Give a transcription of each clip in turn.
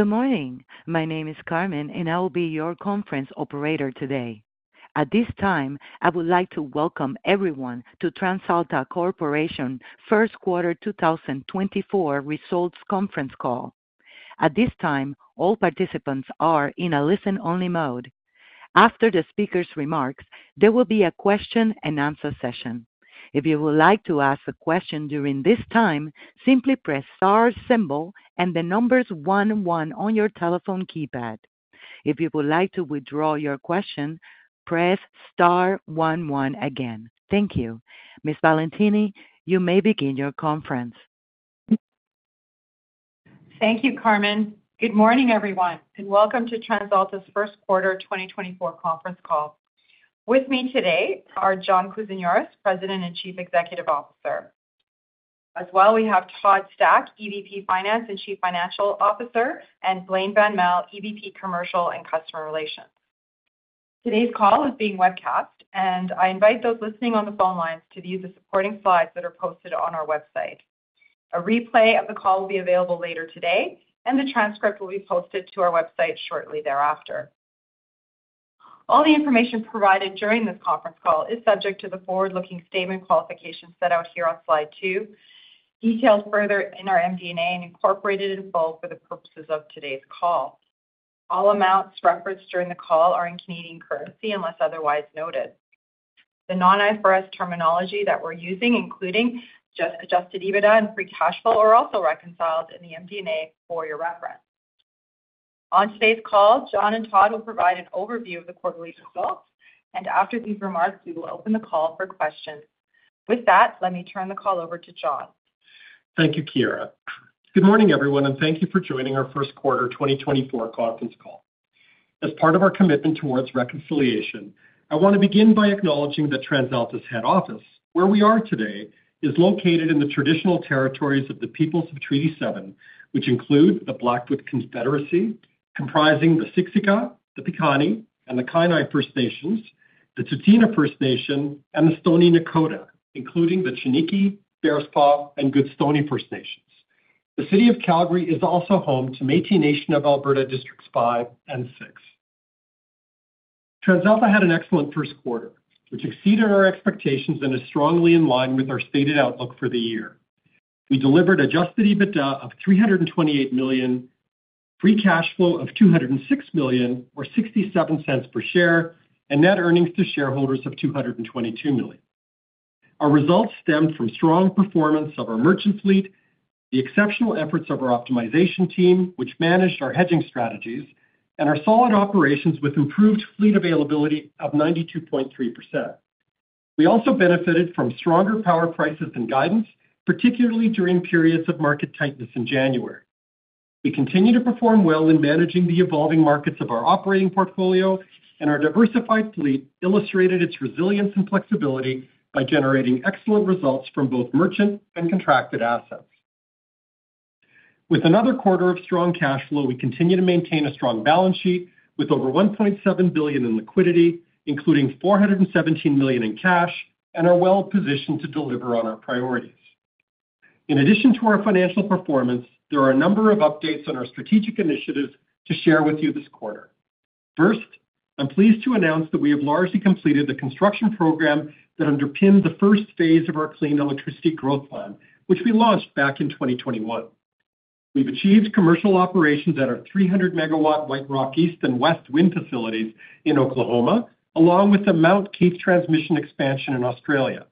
Good morning. My name is Carmen, and I will be your conference operator today. At this time, I would like to welcome everyone to TransAlta Corporation First Quarter 2024 Results Conference Call. At this time, all participants are in a listen-only mode. After the speaker's remarks, there will be a question-and-answer session. If you would like to ask a question during this time, simply press * symbol and the numbers 11 on your telephone keypad. If you would like to withdraw your question, press * 11 again. Thank you. Ms. Valentini, you may begin your conference. Thank you, Carmen. Good morning, everyone, and welcome to TransAlta's First Quarter 2024 Conference Call. With me today are John Kousinioris, President and Chief Executive Officer. As well, we have Todd Stack, EVP Finance and Chief Financial Officer, and Blain van Melle, EVP Commercial and Customer Relations. Today's call is being webcast, and I invite those listening on the phone lines to view the supporting slides that are posted on our website. A replay of the call will be available later today, and the transcript will be posted to our website shortly thereafter. All the information provided during this conference call is subject to the forward-looking statement qualifications set out here on slide 2, detailed further in our MD&A and incorporated in full for the purposes of today's call. All amounts referenced during the call are in Canadian currency unless otherwise noted. The non-IFRS terminology that we're using, including Adjusted EBITDA and Free Cash Flow, are also reconciled in the MD&A for your reference. On today's call, John and Todd will provide an overview of the quarterly results, and after these remarks, we will open the call for questions. With that, let me turn the call over to John. Thank you, Chiara. Good morning, everyone, and thank you for joining our First Quarter 2024 Conference Call. As part of our commitment toward reconciliation, I want to begin by acknowledging that TransAlta's head office, where we are today, is located in the traditional territories of the Peoples of Treaty 7, which include the Blackfoot Confederacy comprising the Siksika, the Piikani, and the Kainai First Nations, the Tsuut'ina First Nation, and the Stoney Nakoda, including the Chiniki, Bearspaw, and Goodstoney First Nations. The City of Calgary is also home to Métis Nation of Alberta Districts 5 and 6. TransAlta had an excellent first quarter, which exceeded our expectations and is strongly in line with our stated outlook for the year. We delivered Adjusted EBITDA of 328 million, Free Cash Flow of 206 million or 0.67 per share, and net earnings to shareholders of 222 million. Our results stemmed from strong performance of our merchant fleet, the exceptional efforts of our optimization team, which managed our hedging strategies, and our solid operations with improved fleet availability of 92.3%. We also benefited from stronger power prices and guidance, particularly during periods of market tightness in January. We continue to perform well in managing the evolving markets of our operating portfolio, and our diversified fleet illustrated its resilience and flexibility by generating excellent results from both merchant and contracted assets. With another quarter of strong cash flow, we continue to maintain a strong balance sheet with over 1.7 billion in liquidity, including 417 million in cash, and are well positioned to deliver on our priorities. In addition to our financial performance, there are a number of updates on our strategic initiatives to share with you this quarter. First, I'm pleased to announce that we have largely completed the construction program that underpinned the first phase of our Clean Electricity Growth Plan, which we launched back in 2021. We've achieved commercial operations at our 300-MW White Rock East and West wind facilities in Oklahoma, along with the Mount Keith Transmission Expansion in Australia.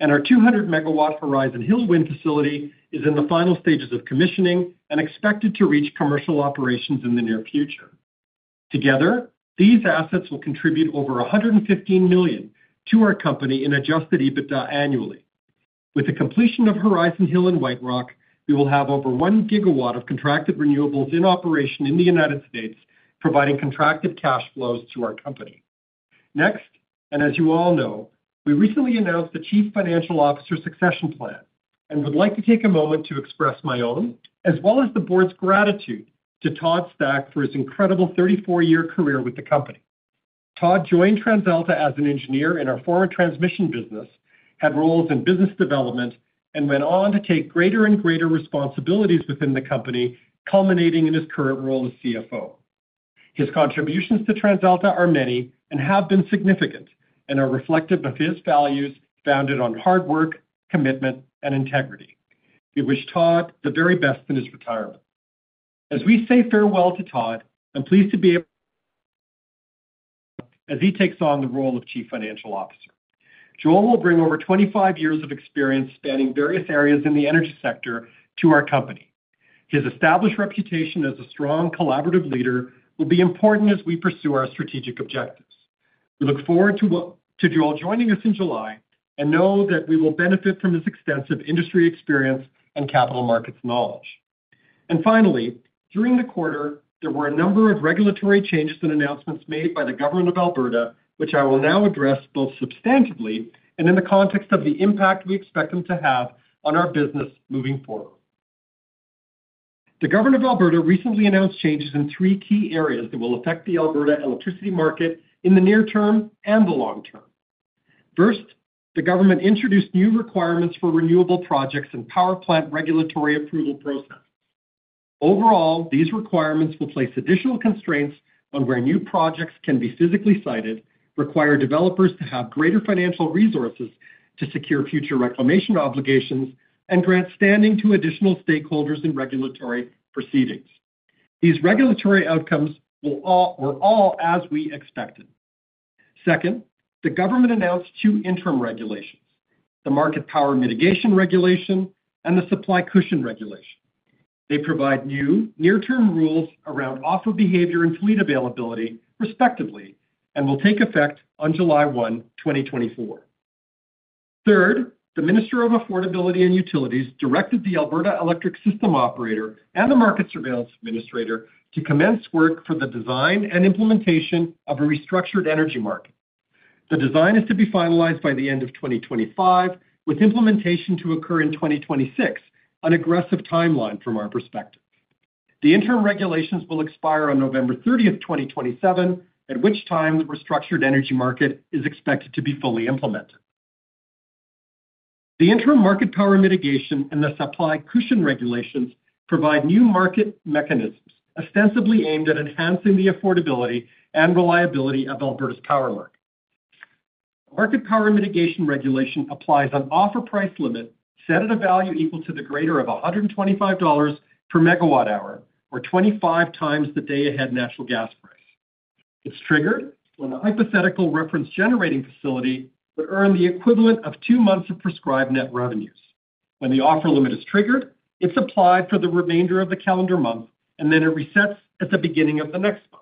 Our 200-MW Horizon Hill wind facility is in the final stages of commissioning and expected to reach commercial operations in the near future. Together, these assets will contribute over 115 million to our company in adjusted EBITDA annually. With the completion of Horizon Hill and White Rock, we will have over 1 GW of contracted renewables in operation in the United States, providing contracted cash flows to our company. Next, and as you all know, we recently announced the Chief Financial Officer Succession Plan and would like to take a moment to express my own, as well as the board's gratitude, to Todd Stack for his incredible 34-year career with the company. Todd joined TransAlta as an engineer in our former transmission business, had roles in business development, and went on to take greater and greater responsibilities within the company, culminating in his current role as CFO. His contributions to TransAlta are many and have been significant and are reflective of his values founded on hard work, commitment, and integrity. We wish Todd the very best in his retirement. As we say farewell to Todd, I'm pleased to be able to welcome Joel as he takes on the role of Chief Financial Officer. Joel will bring over 25 years of experience spanning various areas in the energy sector to our company. His established reputation as a strong collaborative leader will be important as we pursue our strategic objectives. We look forward to Joel joining us in July and know that we will benefit from his extensive industry experience and capital markets knowledge. Finally, during the quarter, there were a number of regulatory changes and announcements made by the Government of Alberta, which I will now address both substantively and in the context of the impact we expect them to have on our business moving forward. The Government of Alberta recently announced changes in three key areas that will affect the Alberta electricity market in the near term and the long term. First, the government introduced new requirements for renewable projects and power plant regulatory approval processes. Overall, these requirements will place additional constraints on where new projects can be physically sited, require developers to have greater financial resources to secure future reclamation obligations, and grant standing to additional stakeholders in regulatory proceedings. These regulatory outcomes were all as we expected. Second, the government announced two interim regulations, the Market Power Mitigation Regulation and the Supply Cushion Regulation. They provide new near-term rules around offer behavior and fleet availability, respectively, and will take effect on July 1, 2024. Third, the Minister of Affordability and Utilities directed the Alberta Electric System Operator and the Market Surveillance Administrator to commence work for the design and implementation of a restructured energy market. The design is to be finalized by the end of 2025, with implementation to occur in 2026, an aggressive timeline from our perspective. The interim regulations will expire on November 30th, 2027, at which time the restructured energy market is expected to be fully implemented. The interim Market Power Mitigation and the Supply Cushion Regulations provide new market mechanisms ostensibly aimed at enhancing the affordability and reliability of Alberta's power market. Market Power Mitigation Regulation applies an offer price limit set at a value equal to the greater of 125 dollars per MWh, or 25 times the day-ahead natural gas price. It's triggered when the hypothetical reference generating facility would earn the equivalent of two months of prescribed net revenues. When the offer limit is triggered, it's applied for the remainder of the calendar month, and then it resets at the beginning of the next month.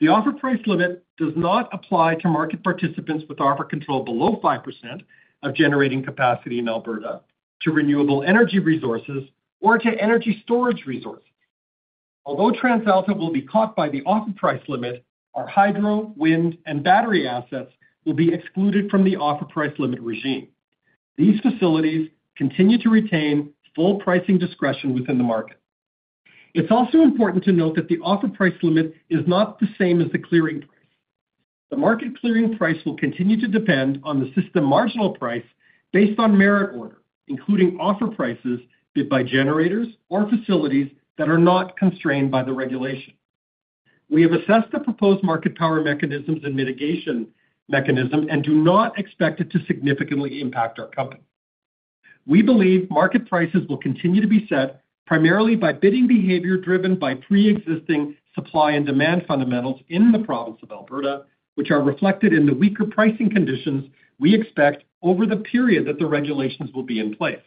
The offer price limit does not apply to market participants with offer control below 5% of generating capacity in Alberta to renewable energy resources or to energy storage resources. Although TransAlta will be caught by the offer price limit, our hydro, wind, and battery assets will be excluded from the offer price limit regime. These facilities continue to retain full pricing discretion within the market. It's also important to note that the offer price limit is not the same as the clearing price. The market clearing price will continue to depend on the system marginal price based on merit order, including offer prices bid by generators or facilities that are not constrained by the regulation. We have assessed the proposed market power mechanisms and mitigation mechanism and do not expect it to significantly impact our company. We believe market prices will continue to be set primarily by bidding behavior driven by pre-existing supply and demand fundamentals in the province of Alberta, which are reflected in the weaker pricing conditions we expect over the period that the regulations will be in place.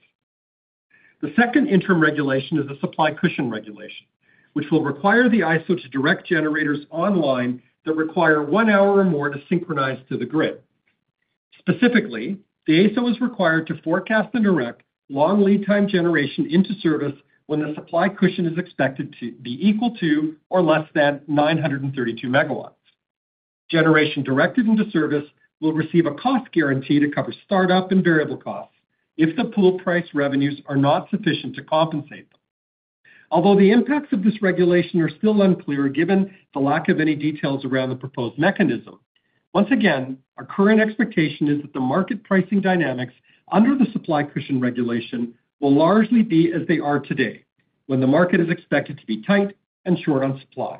The second interim regulation is the Supply Cushion Regulation, which will require the AESO to direct generators online that require one hour or more to synchronize to the grid. Specifically, the AESO is required to forecast and direct long lead time generation into service when the supply cushion is expected to be equal to or less than 932 MW. Generation directed into service will receive a cost guarantee to cover startup and variable costs if the pool price revenues are not sufficient to compensate them. Although the impacts of this regulation are still unclear given the lack of any details around the proposed mechanism, once again, our current expectation is that the market pricing dynamics under the Supply Cushion Regulation will largely be as they are today, when the market is expected to be tight and short on supply.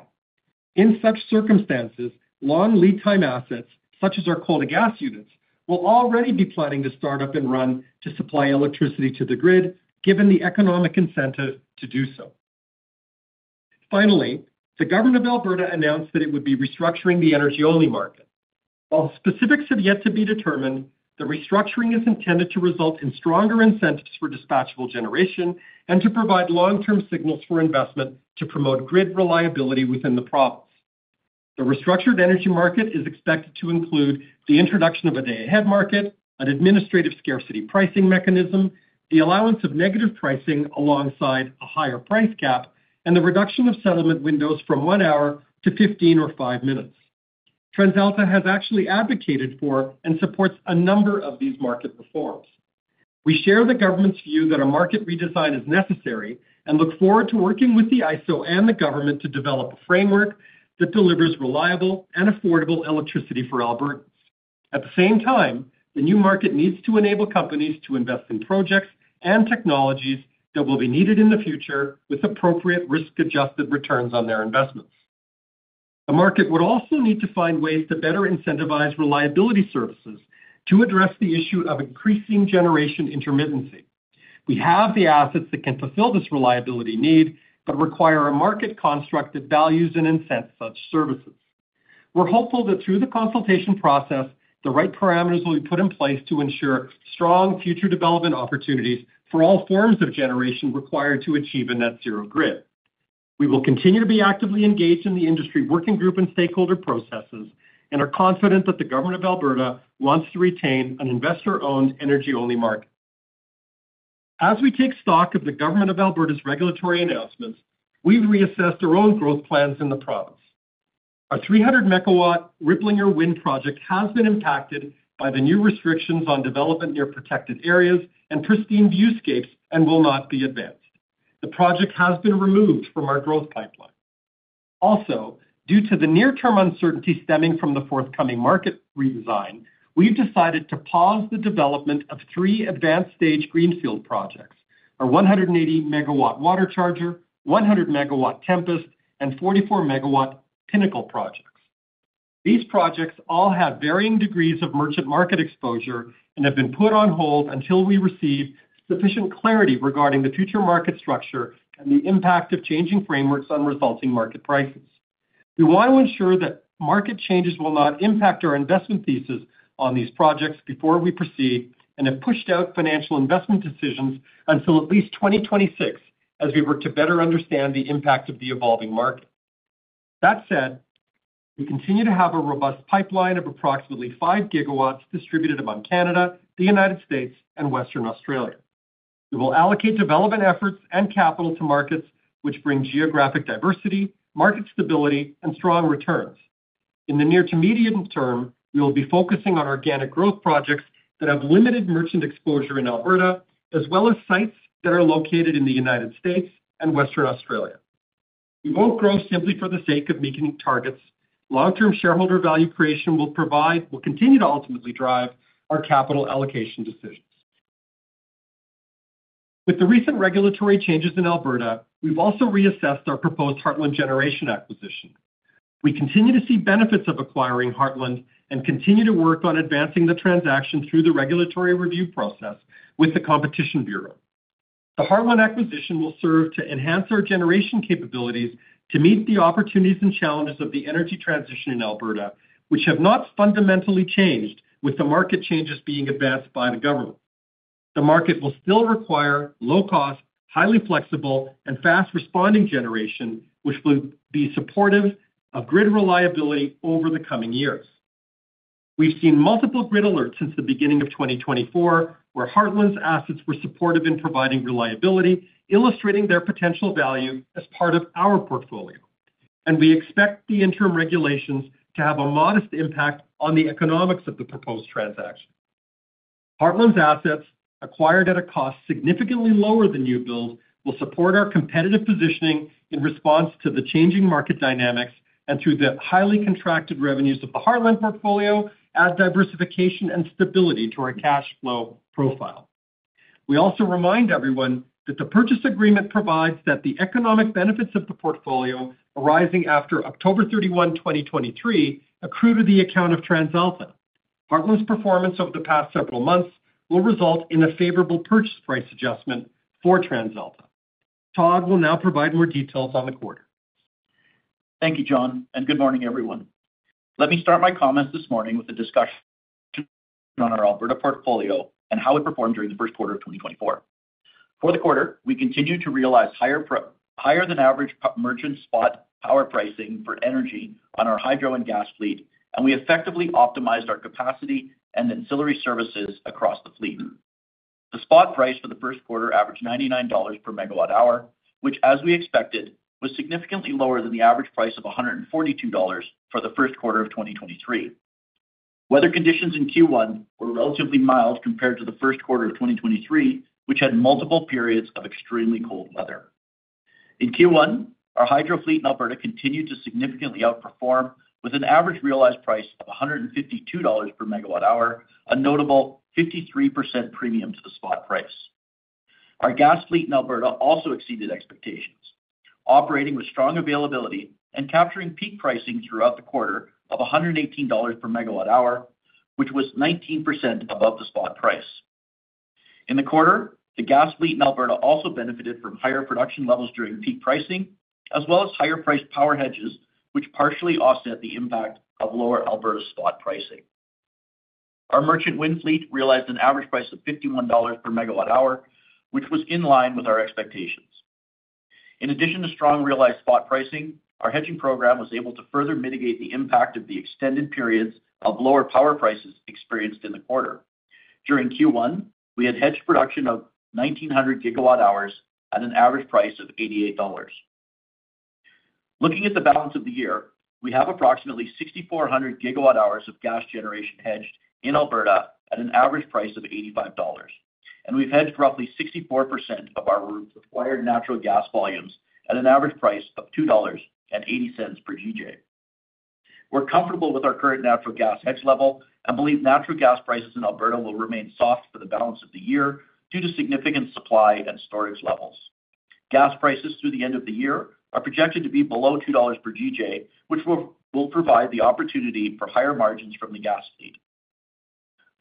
In such circumstances, long lead time assets such as our coal to gas units will already be planning to start up and run to supply electricity to the grid, given the economic incentive to do so. Finally, the Government of Alberta announced that it would be restructuring the energy-only market. While specifics have yet to be determined, the restructuring is intended to result in stronger incentives for dispatchable generation and to provide long-term signals for investment to promote grid reliability within the province. The restructured energy market is expected to include the introduction of a day-ahead market, an administrative scarcity pricing mechanism, the allowance of negative pricing alongside a higher price cap, and the reduction of settlement windows from 1 hour to 15 or 5 minutes. TransAlta has actually advocated for and supports a number of these market reforms. We share the government's view that a market redesign is necessary and look forward to working with the AESO and the government to develop a framework that delivers reliable and affordable electricity for Alberta. At the same time, the new market needs to enable companies to invest in projects and technologies that will be needed in the future with appropriate risk-adjusted returns on their investments. The market would also need to find ways to better incentivize reliability services to address the issue of increasing generation intermittency. We have the assets that can fulfill this reliability need but require a market construct that values and incents such services. We're hopeful that through the consultation process, the right parameters will be put in place to ensure strong future development opportunities for all forms of generation required to achieve a net-zero grid. We will continue to be actively engaged in the industry working group and stakeholder processes and are confident that the Government of Alberta wants to retain an investor-owned energy-only market. As we take stock of the Government of Alberta's regulatory announcements, we've reassessed our own growth plans in the province. Our 300-MW Riplinger Wind project has been impacted by the new restrictions on development near protected areas and pristine viewscapes and will not be advanced. The project has been removed from our growth pipeline. Also, due to the near-term uncertainty stemming from the forthcoming market redesign, we've decided to pause the development of three advanced-stage greenfield projects: our 180-MW WaterCharger, 100-MW Tempest, and 44-MW Pinnacle projects. These projects all have varying degrees of merchant market exposure and have been put on hold until we receive sufficient clarity regarding the future market structure and the impact of changing frameworks on resulting market prices. We want to ensure that market changes will not impact our investment thesis on these projects before we proceed and have pushed out financial investment decisions until at least 2026 as we work to better understand the impact of the evolving market. That said, we continue to have a robust pipeline of approximately 5 GW distributed among Canada, the United States, and Western Australia. We will allocate development efforts and capital to markets which bring geographic diversity, market stability, and strong returns. In the near to medium term, we will be focusing on organic growth projects that have limited merchant exposure in Alberta, as well as sites that are located in the United States and Western Australia. We won't grow simply for the sake of meeting targets. Long-term shareholder value creation will continue to ultimately drive our capital allocation decisions. With the recent regulatory changes in Alberta, we've also reassessed our proposed Heartland Generation acquisition. We continue to see benefits of acquiring Heartland and continue to work on advancing the transaction through the regulatory review process with the Competition Bureau. The Heartland acquisition will serve to enhance our generation capabilities to meet the opportunities and challenges of the energy transition in Alberta, which have not fundamentally changed with the market changes being advanced by the government. The market will still require low-cost, highly flexible, and fast-responding generation, which will be supportive of grid reliability over the coming years. We've seen multiple grid alerts since the beginning of 2024 where Heartland's assets were supportive in providing reliability, illustrating their potential value as part of our portfolio. We expect the interim regulations to have a modest impact on the economics of the proposed transaction. Heartland's assets, acquired at a cost significantly lower than new builds, will support our competitive positioning in response to the changing market dynamics and through the highly contracted revenues of the Heartland portfolio, add diversification and stability to our cash flow profile. We also remind everyone that the purchase agreement provides that the economic benefits of the portfolio arising after October 31, 2023, accrue to the account of TransAlta. Heartland's performance over the past several months will result in a favorable purchase price adjustment for TransAlta. Todd will now provide more details on the quarter. Thank you, John, and good morning, everyone. Let me start my comments this morning with a discussion on our Alberta portfolio and how it performed during the first quarter of 2024. For the quarter, we continue to realize higher than average merchant spot power pricing for energy on our hydro and gas fleet, and we effectively optimized our capacity and ancillary services across the fleet. The spot price for the first quarter averaged 99 dollars per MWh, which, as we expected, was significantly lower than the average price of 142 dollars for the first quarter of 2023. Weather conditions in Q1 were relatively mild compared to the first quarter of 2023, which had multiple periods of extremely cold weather. In Q1, our hydro fleet in Alberta continued to significantly outperform with an average realized price of 152 dollars per MWh, a notable 53% premium to the spot price. Our gas fleet in Alberta also exceeded expectations, operating with strong availability and capturing peak pricing throughout the quarter of 118 dollars per MWh, which was 19% above the spot price. In the quarter, the gas fleet in Alberta also benefited from higher production levels during peak pricing, as well as higher-priced power hedges, which partially offset the impact of lower Alberta spot pricing. Our merchant wind fleet realized an average price of 51 dollars per MWh, which was in line with our expectations. In addition to strong realized spot pricing, our hedging program was able to further mitigate the impact of the extended periods of lower power prices experienced in the quarter. During Q1, we had hedged production of 1,900 gigawatt-hours at an average price of 88 dollars. Looking at the balance of the year, we have approximately 6,400 gigawatt-hours of gas generation hedged in Alberta at an average price of 85 dollars. And we've hedged roughly 64% of our required natural gas volumes at an average price of 2.80 dollars per GJ. We're comfortable with our current natural gas hedge level and believe natural gas prices in Alberta will remain soft for the balance of the year due to significant supply and storage levels. Gas prices through the end of the year are projected to be below 2 dollars per GJ, which will provide the opportunity for higher margins from the gas fleet.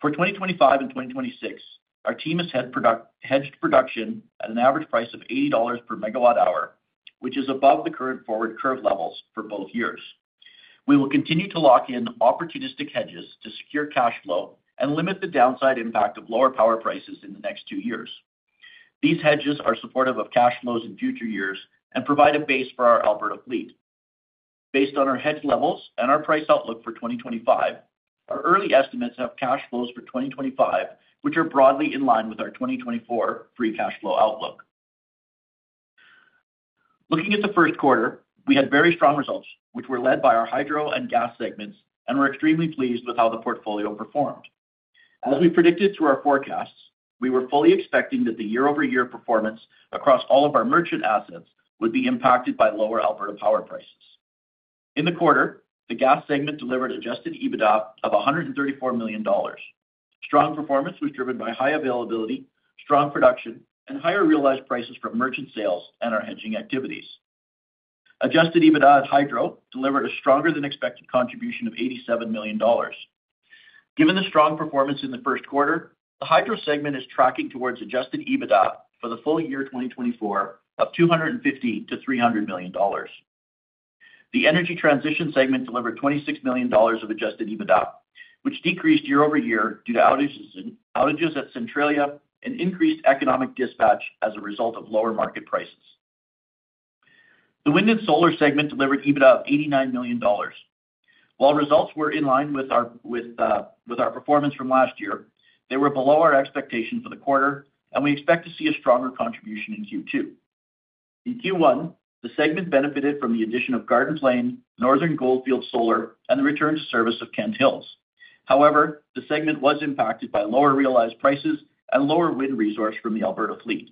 For 2025 and 2026, our team has hedged production at an average price of 80 dollars per MWh, which is above the current forward curve levels for both years. We will continue to lock in opportunistic hedges to secure cash flow and limit the downside impact of lower power prices in the next two years. These hedges are supportive of cash flows in future years and provide a base for our Alberta fleet. Based on our hedge levels and our price outlook for 2025, our early estimates have cash flows for 2025, which are broadly in line with our 2024 free cash flow outlook. Looking at the first quarter, we had very strong results, which were led by our hydro and Gas segments, and we're extremely pleased with how the portfolio performed. As we predicted through our forecasts, we were fully expecting that the year-over-year performance across all of our merchant assets would be impacted by lower Alberta power prices. In the quarter, the Gas segment delivered Adjusted EBITDA of $134 million. Strong performance was driven by high availability, strong production, and higher realized prices from merchant sales and our hedging activities. Adjusted EBITDA at hydro delivered a stronger than expected contribution of $87 million. Given the strong performance in the first quarter, the Hydro segment is tracking towards adjusted EBITDA for the full year 2024 of $250 million-$300 million. The Energy Transition segment delivered $26 million of adjusted EBITDA, which decreased year-over-year due to outages at Centralia and increased economic dispatch as a result of lower market prices. The Wind and Solar segment delivered EBITDA of $89 million. While results were in line with our performance from last year, they were below our expectation for the quarter, and we expect to see a stronger contribution in Q2. In Q1, the segment benefited from the addition of Garden Plain, Northern Goldfields Solar, and the return to service of Kent Hills. However, the segment was impacted by lower realized prices and lower wind resource from the Alberta fleet.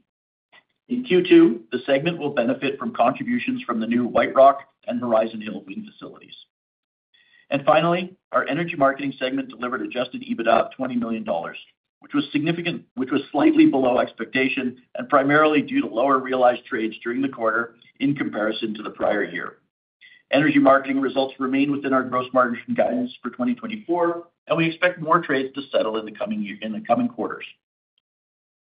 In Q2, the segment will benefit from contributions from the new White Rock and Horizon Hill wind facilities. And finally, our Energy Marketing segment delivered Adjusted EBITDA of 20 million dollars, which was slightly below expectation and primarily due to lower realized trades during the quarter in comparison to the prior year. Energy marketing results remain within our gross margin guidance for 2024, and we expect more trades to settle in the coming quarters.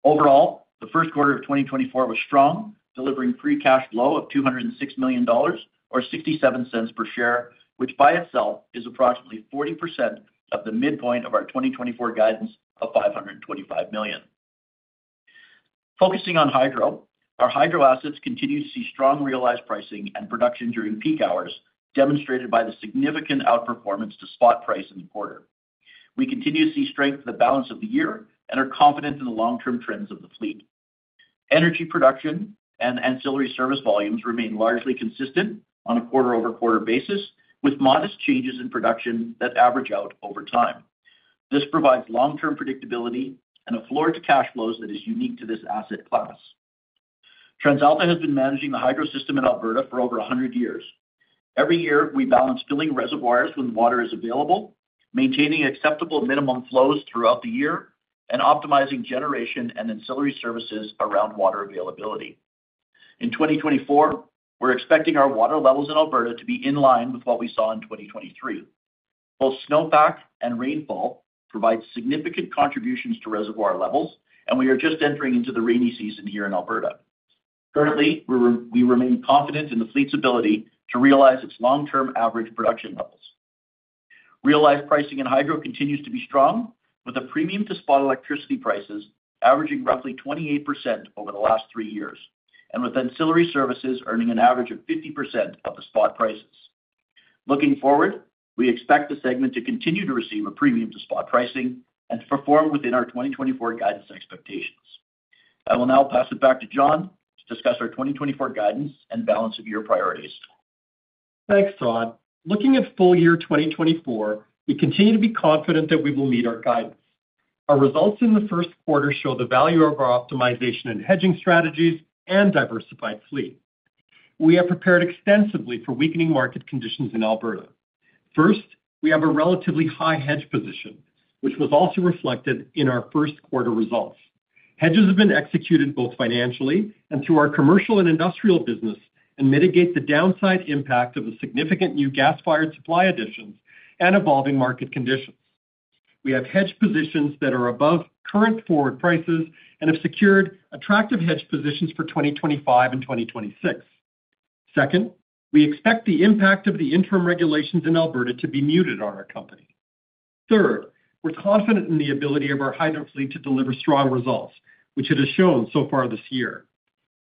Overall, the first quarter of 2024 was strong, delivering free cash flow of 206 million dollars or 0.67 per share, which by itself is approximately 40% of the midpoint of our 2024 guidance of 525 million. Focusing on hydro, our hydro assets continue to see strong realized pricing and production during peak hours, demonstrated by the significant outperformance to spot price in the quarter. We continue to see strength for the balance of the year and are confident in the long-term trends of the fleet. Energy production and ancillary service volumes remain largely consistent on a quarter-over-quarter basis, with modest changes in production that average out over time. This provides long-term predictability and a floor to cash flows that is unique to this asset class. TransAlta has been managing the hydro system in Alberta for over 100 years. Every year, we balance filling reservoirs when water is available, maintaining acceptable minimum flows throughout the year, and optimizing generation and ancillary services around water availability. In 2024, we're expecting our water levels in Alberta to be in line with what we saw in 2023. Both snowpack and rainfall provide significant contributions to reservoir levels, and we are just entering into the rainy season here in Alberta. Currently, we remain confident in the fleet's ability to realize its long-term average production levels. Realized pricing in hydro continues to be strong, with a premium to spot electricity prices averaging roughly 28% over the last three years, and with ancillary services earning an average of 50% of the spot prices. Looking forward, we expect the segment to continue to receive a premium to spot pricing and to perform within our 2024 guidance expectations. I will now pass it back to John to discuss our 2024 guidance and balance of year priorities. Thanks, Todd. Looking at full year 2024, we continue to be confident that we will meet our guidance. Our results in the first quarter show the value of our optimization and hedging strategies and diversified fleet. We have prepared extensively for weakening market conditions in Alberta. First, we have a relatively high hedge position, which was also reflected in our first quarter results. Hedges have been executed both financially and through our commercial and industrial business and mitigate the downside impact of the significant new gas-fired supply additions and evolving market conditions. We have hedge positions that are above current forward prices and have secured attractive hedge positions for 2025 and 2026. Second, we expect the impact of the interim regulations in Alberta to be muted on our company. Third, we're confident in the ability of our hydro fleet to deliver strong results, which it has shown so far this year.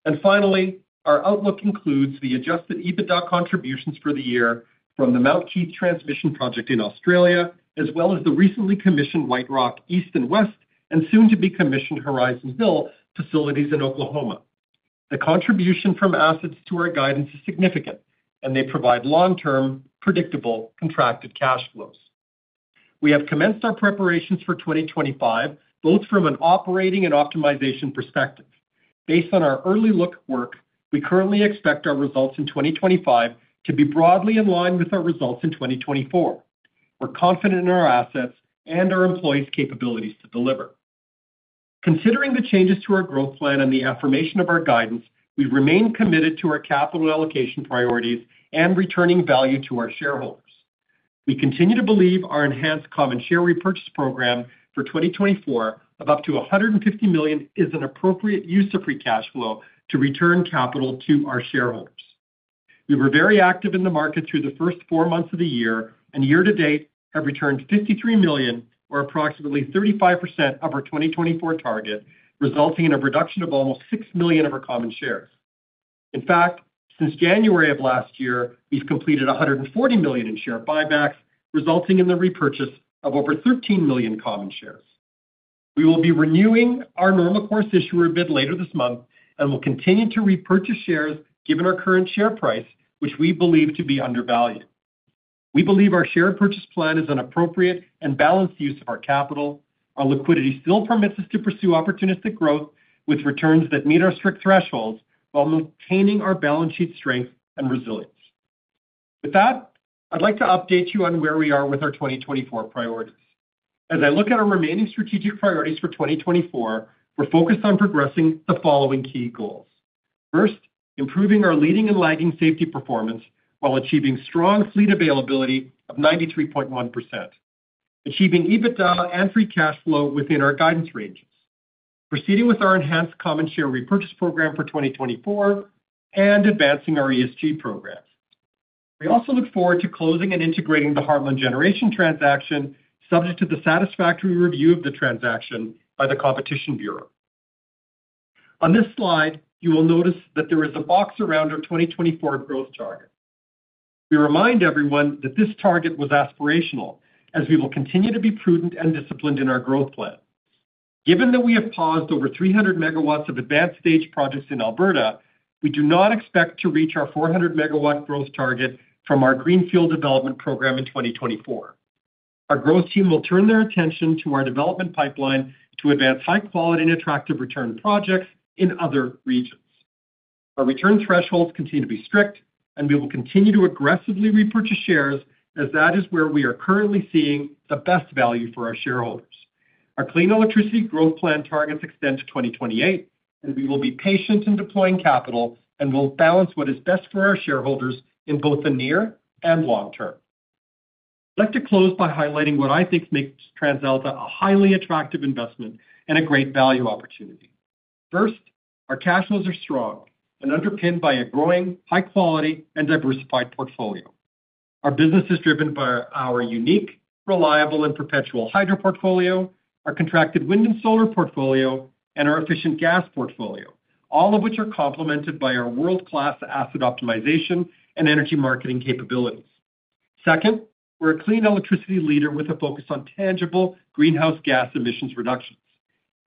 And finally, our outlook includes the Adjusted EBITDA contributions for the year from the Mount Keith Transmission Expansion in Australia, as well as the recently commissioned White Rock East and West and soon to be commissioned Horizon Hill facilities in Oklahoma. The contribution from assets to our guidance is significant, and they provide long-term, predictable, contracted cash flows. We have commenced our preparations for 2025 both from an operating and optimization perspective. Based on our early look work, we currently expect our results in 2025 to be broadly in line with our results in 2024. We're confident in our assets and our employees' capabilities to deliver. Considering the changes to our growth plan and the affirmation of our guidance, we remain committed to our capital allocation priorities and returning value to our shareholders. We continue to believe our enhanced common share repurchase program for 2024 of up to 150 million is an appropriate use of free cash flow to return capital to our shareholders. We were very active in the market through the first four months of the year, and year to date, have returned 53 million or approximately 35% of our 2024 target, resulting in a reduction of almost six million of our common shares. In fact, since January of last year, we've completed 140 million in share buybacks, resulting in the repurchase of over 13 million common shares. We will be renewing our Normal Course Issuer Bid a bit later this month and will continue to repurchase shares given our current share price, which we believe to be undervalued. We believe our share purchase plan is an appropriate and balanced use of our capital. Our liquidity still permits us to pursue opportunistic growth with returns that meet our strict thresholds while maintaining our balance sheet strength and resilience. With that, I'd like to update you on where we are with our 2024 priorities. As I look at our remaining strategic priorities for 2024, we're focused on progressing the following key goals. First, improving our leading and lagging safety performance while achieving strong fleet availability of 93.1%, achieving EBITDA and free cash flow within our guidance ranges, proceeding with our enhanced common share repurchase program for 2024, and advancing our ESG programs. We also look forward to closing and integrating the Heartland Generation transaction subject to the satisfactory review of the transaction by the Competition Bureau. On this slide, you will notice that there is a box around our 2024 growth target. We remind everyone that this target was aspirational, as we will continue to be prudent and disciplined in our growth plan. Given that we have paused over 300 MW of advanced stage projects in Alberta, we do not expect to reach our 400 MW growth target from our Greenfield development program in 2024. Our growth team will turn their attention to our development pipeline to advance high-quality and attractive return projects in other regions. Our return thresholds continue to be strict, and we will continue to aggressively repurchase shares, as that is where we are currently seeing the best value for our shareholders. Our Clean Electricity Growth Plan targets extend to 2028, and we will be patient in deploying capital and will balance what is best for our shareholders in both the near and long term. I'd like to close by highlighting what I think makes TransAlta a highly attractive investment and a great value opportunity. First, our cash flows are strong and underpinned by a growing, high-quality, and diversified portfolio. Our business is driven by our unique, reliable, and perpetual hydro portfolio, our contracted wind and solar portfolio, and our efficient gas portfolio, all of which are complemented by our world-class asset optimization and energy marketing capabilities. Second, we're a clean electricity leader with a focus on tangible greenhouse gas emissions reductions.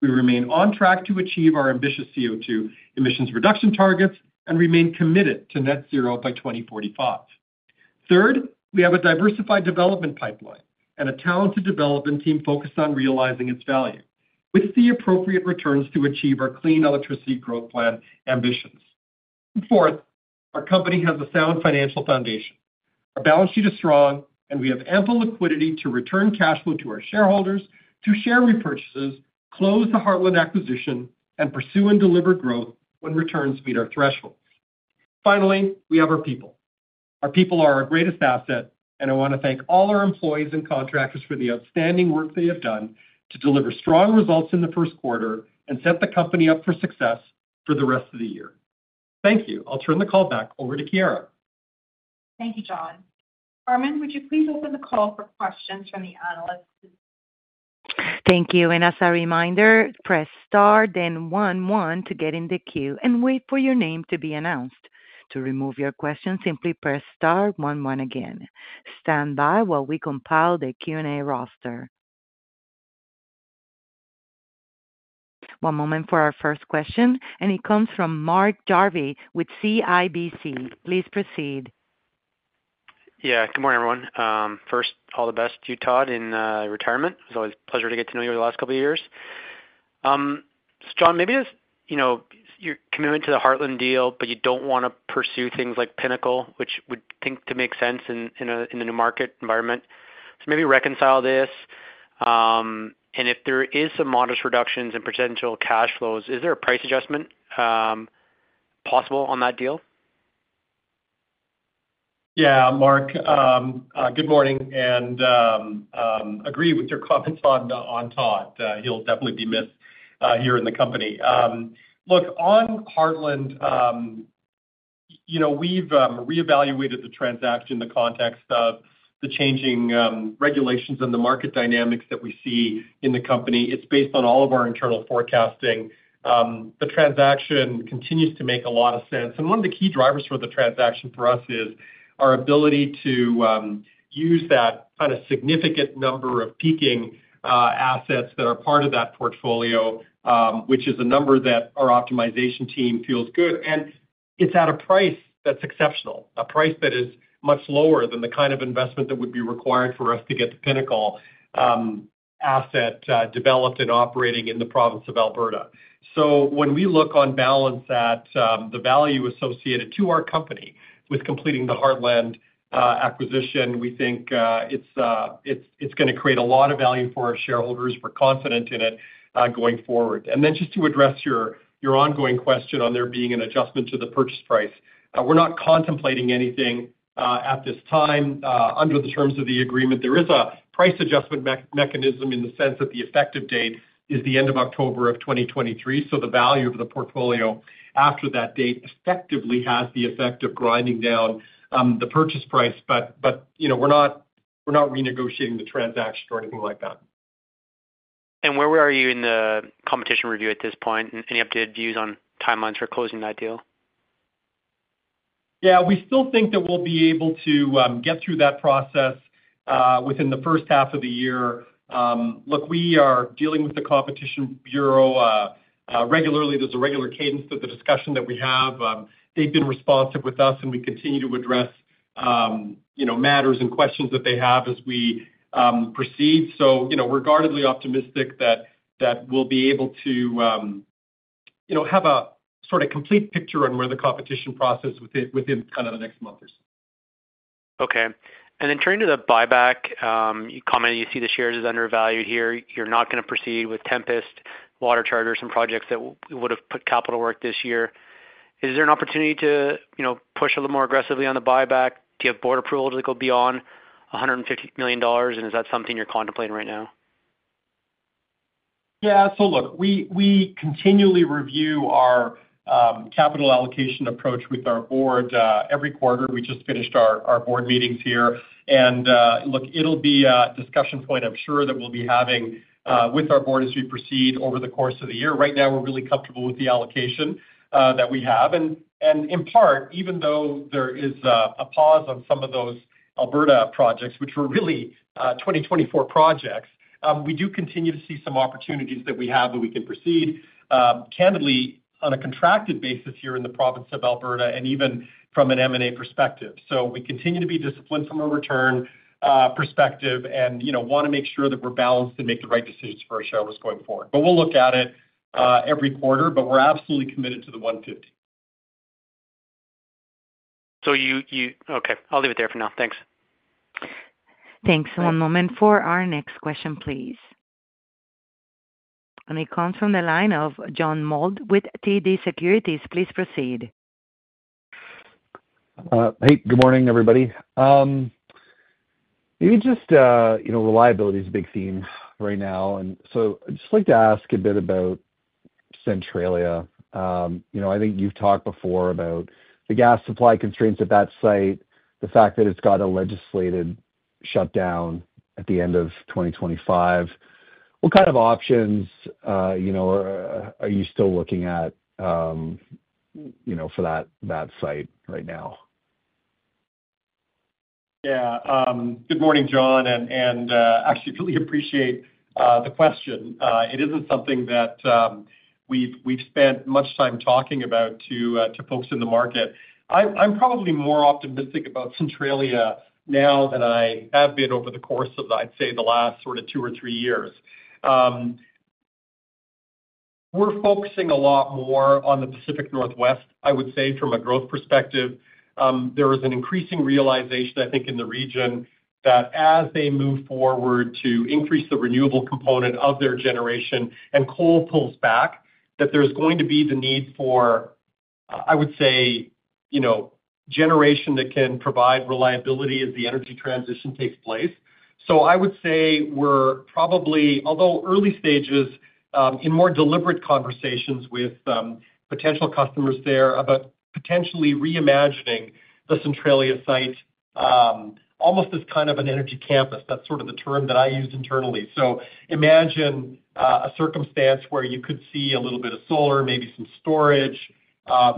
We remain on track to achieve our ambitious CO2 emissions reduction targets and remain committed to Net-Zero by 2045. Third, we have a diversified development pipeline and a talented development team focused on realizing its value with the appropriate returns to achieve our Clean Electricity Growth Plan ambitions. Fourth, our company has a sound financial foundation. Our balance sheet is strong, and we have ample liquidity to return cash flow to our shareholders through share repurchases, close the Heartland acquisition, and pursue and deliver growth when returns meet our thresholds. Finally, we have our people. Our people are our greatest asset, and I want to thank all our employees and contractors for the outstanding work they have done to deliver strong results in the first quarter and set the company up for success for the rest of the year. Thank you. I'll turn the call back over to Chiara. Thank you, John. Carmen, would you please open the call for questions from the analysts? Thank you. And as a reminder, press star, then 11 to get in the queue and wait for your name to be announced. To remove your question, simply press star 11 again. Stand by while we compile the Q&A roster. One moment for our first question, and it comes from Mark Jarvi with CIBC. Please proceed. Yeah. Good morning, everyone. First, all the best to you, Todd, in retirement. It was always a pleasure to get to know you over the last couple of years. So, John, maybe your commitment to the Heartland deal, but you don't want to pursue things like Pinnacle, which we think to make sense in a new market environment. So maybe reconcile this. And if there is some modest reductions in potential cash flows, is there a price adjustment possible on that deal? Yeah, Mark. Good morning. And agree with your comments on Todd. He'll definitely be missed here in the company. Look, on Heartland, we've reevaluated the transaction in the context of the changing regulations and the market dynamics that we see in the company. It's based on all of our internal forecasting. The transaction continues to make a lot of sense. One of the key drivers for the transaction for us is our ability to use that kind of significant number of peaking assets that are part of that portfolio, which is a number that our optimization team feels good. It's at a price that's exceptional, a price that is much lower than the kind of investment that would be required for us to get the Pinnacle asset developed and operating in the province of Alberta. So when we look on balance at the value associated to our company with completing the Heartland acquisition, we think it's going to create a lot of value for our shareholders. We're confident in it going forward. And then just to address your ongoing question on there being an adjustment to the purchase price, we're not contemplating anything at this time under the terms of the agreement. There is a price adjustment mechanism in the sense that the effective date is the end of October of 2023. So the value of the portfolio after that date effectively has the effect of grinding down the purchase price. But we're not renegotiating the transaction or anything like that. And where are you in the competition review at this point? Any updated views on timelines for closing that deal? Yeah, we still think that we'll be able to get through that process within the first half of the year. Look, we are dealing with the Competition Bureau regularly. There's a regular cadence to the discussion that we have. They've been responsive with us, and we continue to address matters and questions that they have as we proceed. So we're guardedly optimistic that we'll be able to have a sort of complete picture on where the competition process is within kind of the next month or so. Okay. And then turning to the buyback, you commented you see the shares as undervalued here. You're not going to proceed with Tempest, WaterCharger, and projects that would have put capital work this year. Is there an opportunity to push a little more aggressively on the buyback? Do you have board approval to go beyond 150 million dollars? Is that something you're contemplating right now? Yeah. Look, we continually review our capital allocation approach with our board every quarter. We just finished our board meetings here. Look, it'll be a discussion point, I'm sure, that we'll be having with our board as we proceed over the course of the year. Right now, we're really comfortable with the allocation that we have. In part, even though there is a pause on some of those Alberta projects, which were really 2024 projects, we do continue to see some opportunities that we have that we can proceed, candidly, on a contracted basis here in the province of Alberta and even from an M&A perspective. We continue to be disciplined from a return perspective and want to make sure that we're balanced and make the right decisions for our shareholders going forward. But we'll look at it every quarter. But we're absolutely committed to the 150. Okay. I'll leave it there for now. Thanks. Thanks. One moment for our next question, please. And it comes from the line of John Mould with TD Securities. Please proceed. Hey, good morning, everybody. Maybe just reliability is a big theme right now. And so I'd just like to ask a bit about Centralia. I think you've talked before about the gas supply constraints at that site, the fact that it's got a legislated shutdown at the end of 2025. What kind of options are you still looking at for that site right now? Yeah. Good morning, John. And actually, I really appreciate the question. It isn't something that we've spent much time talking about to folks in the market. I'm probably more optimistic about Centralia now than I have been over the course of, I'd say, the last sort of 2 or 3 years. We're focusing a lot more on the Pacific Northwest, I would say, from a growth perspective. There is an increasing realization, I think, in the region that as they move forward to increase the renewable component of their generation and coal pulls back, that there's going to be the need for, I would say, generation that can provide reliability as the energy transition takes place. So I would say we're probably, although early stages, in more deliberate conversations with potential customers there about potentially reimagining the Centralia site, almost as kind of an energy campus. That's sort of the term that I use internally. So imagine a circumstance where you could see a little bit of solar, maybe some storage,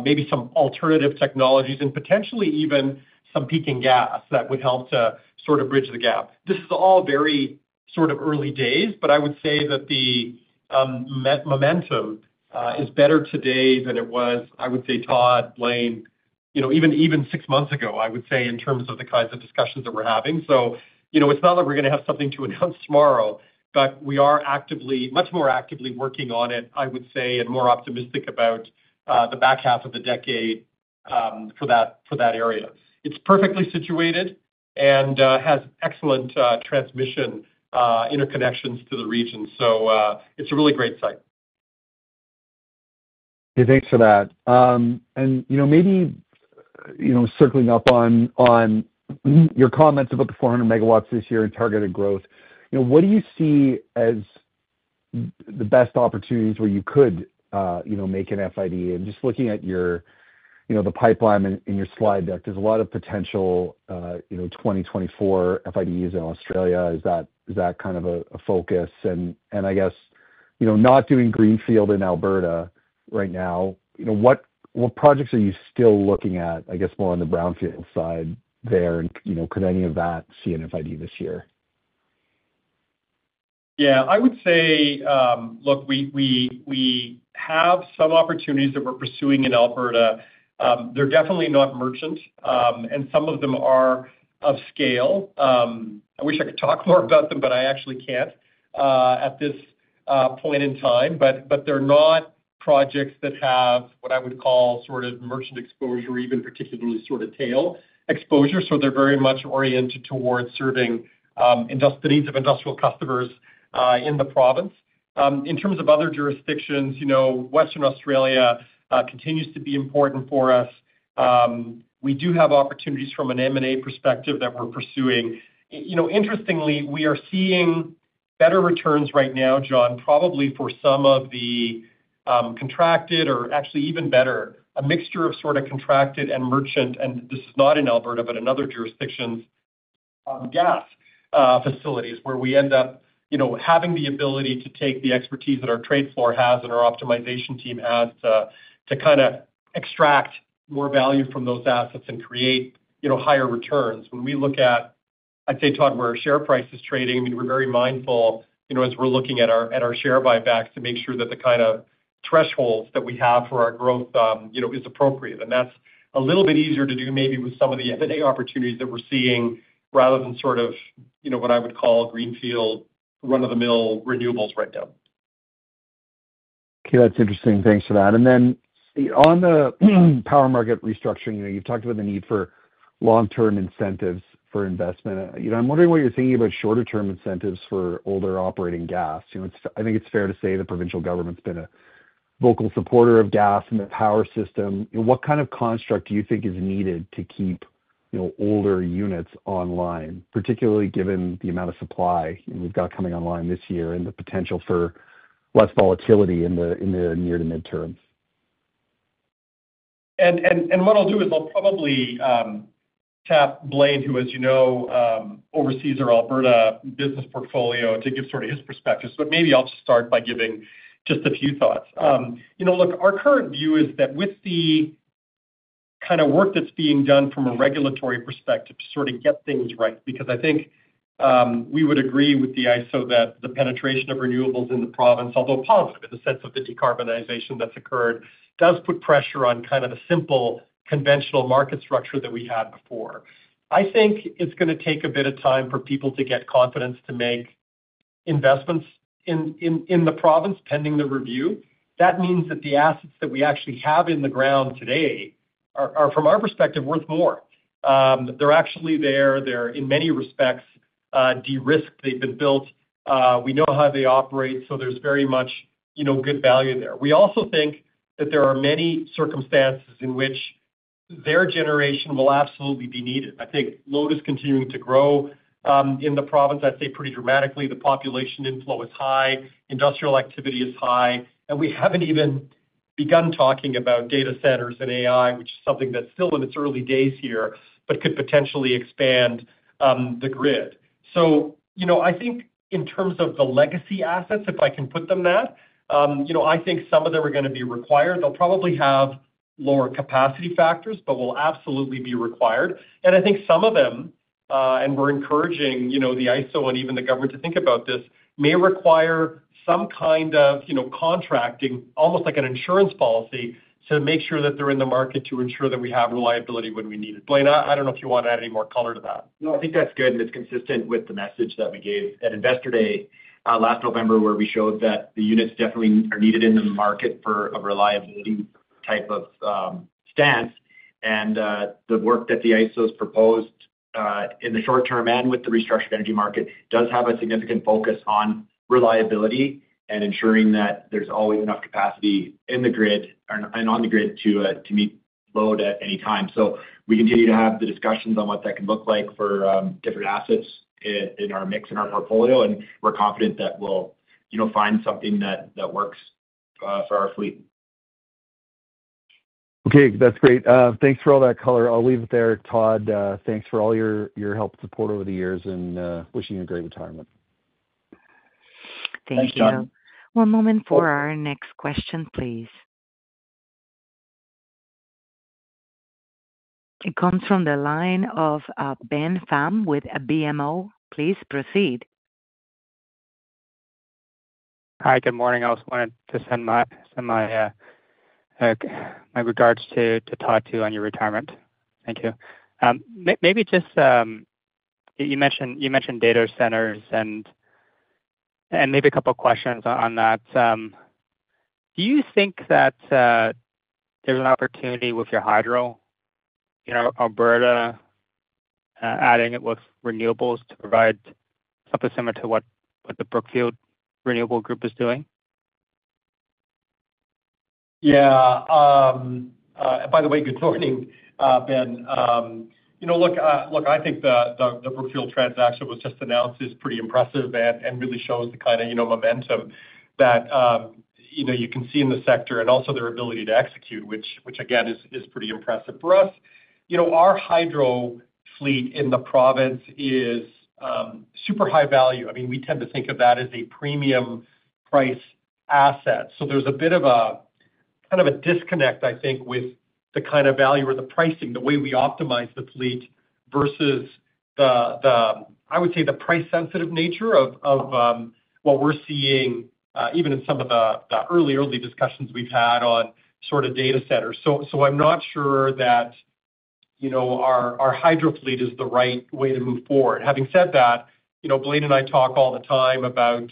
maybe some alternative technologies, and potentially even some peaking gas that would help to sort of bridge the gap. This is all very sort of early days, but I would say that the momentum is better today than it was, I would say, Todd, Blain, even six months ago, I would say, in terms of the kinds of discussions that we're having. So it's not that we're going to have something to announce tomorrow, but we are much more actively working on it, I would say, and more optimistic about the back half of the decade for that area. It's perfectly situated and has excellent transmission interconnections to the region. So it's a really great site. Hey, thanks for that. And maybe circling up on your comments about the 400 MW this year and targeted growth, what do you see as the best opportunities where you could make an FID? And just looking at the pipeline in your slide deck, there's a lot of potential 2024 FIDs in Australia. Is that kind of a focus? And I guess not doing greenfield in Alberta right now, what projects are you still looking at, I guess, more on the brownfield side there? And could any of that see an FID this year? Yeah. I would say, look, we have some opportunities that we're pursuing in Alberta. They're definitely not merchant, and some of them are of scale. I wish I could talk more about them, but I actually can't at this point in time. But they're not projects that have what I would call sort of merchant exposure, even particularly sort of tail exposure. So they're very much oriented towards serving the needs of industrial customers in the province. In terms of other jurisdictions, Western Australia continues to be important for us. We do have opportunities from an M&A perspective that we're pursuing. Interestingly, we are seeing better returns right now, John, probably for some of the contracted or actually even better, a mixture of sort of contracted and merchant (and this is not in Alberta, but in other jurisdictions) gas facilities where we end up having the ability to take the expertise that our trade floor has and our optimization team has to kind of extract more value from those assets and create higher returns. When we look at, I'd say, Todd, where our share price is trading, I mean, we're very mindful as we're looking at our share buybacks to make sure that the kind of thresholds that we have for our growth is appropriate. And that's a little bit easier to do maybe with some of the M&A opportunities that we're seeing rather than sort of what I would call greenfield run-of-the-mill renewables right now. Okay. That's interesting. Thanks for that. And then on the power market restructuring, you've talked about the need for long-term incentives for investment. I'm wondering what you're thinking about shorter-term incentives for older operating gas. I think it's fair to say the provincial government's been a vocal supporter of gas and the power system. What kind of construct do you think is needed to keep older units online, particularly given the amount of supply we've got coming online this year and the potential for less volatility in the near to mid-term? And what I'll do is I'll probably tap Blain, who, as you know, oversees our Alberta business portfolio, to give sort of his perspective. But maybe I'll just start by giving just a few thoughts. Look, our current view is that with the kind of work that's being done from a regulatory perspective to sort of get things right because I think we would agree with the AESO that the penetration of renewables in the province, although positive in the sense of the decarbonization that's occurred, does put pressure on kind of a simple conventional market structure that we had before. I think it's going to take a bit of time for people to get confidence to make investments in the province pending the review. That means that the assets that we actually have in the ground today are, from our perspective, worth more. They're actually there. They're, in many respects, de-risked. They've been built. We know how they operate. So there's very much good value there. We also think that there are many circumstances in which their generation will absolutely be needed. I think load is continuing to grow in the province, I'd say, pretty dramatically. The population inflow is high. Industrial activity is high. And we haven't even begun talking about data centers and AI, which is something that's still in its early days here but could potentially expand the grid. So I think in terms of the legacy assets, if I can put them that, I think some of them are going to be required. They'll probably have lower capacity factors, but will absolutely be required. And I think some of them - and we're encouraging the AESO and even the government to think about this - may require some kind of contracting, almost like an insurance policy, to make sure that they're in the market to ensure that we have reliability when we need it. Blain, I don't know if you want to add any more color to that. No, I think that's good. And it's consistent with the message that we gave at Investor Day last November where we showed that the units definitely are needed in the market for a reliability type of stance. And the work that the AESO's proposed in the short term and with the restructured energy market does have a significant focus on reliability and ensuring that there's always enough capacity in the grid and on the grid to meet load at any time. So we continue to have the discussions on what that can look like for different assets in our mix and our portfolio. And we're confident that we'll find something that works for our fleet. Okay. That's great. Thanks for all that color. I'll leave it there. Todd, thanks for all your help and support over the years and wishing you a great retirement. Thank you. Thank you, John. One moment for our next question, please. It comes from the line of Ben Pham with BMO. Please proceed. Hi. Good morning. I also wanted to send my regards to Todd too on your retirement. Thank you. Maybe just you mentioned data centers and maybe a couple of questions on that. Do you think that there's an opportunity with your hydro, Alberta, adding it with renewables to provide something similar to what the Brookfield Renewable Group is doing? Yeah. By the way, good morning, Ben. Look, I think the Brookfield transaction was just announced as pretty impressive and really shows the kind of momentum that you can see in the sector and also their ability to execute, which, again, is pretty impressive for us. Our hydro fleet in the province is super high value. I mean, we tend to think of that as a premium-price asset. So there's a bit of a kind of a disconnect, I think, with the kind of value or the pricing, the way we optimize the fleet versus the, I would say, the price-sensitive nature of what we're seeing even in some of the early, early discussions we've had on sort of data centers. So I'm not sure that our hydro fleet is the right way to move forward. Having said that, Blain and I talk all the time about,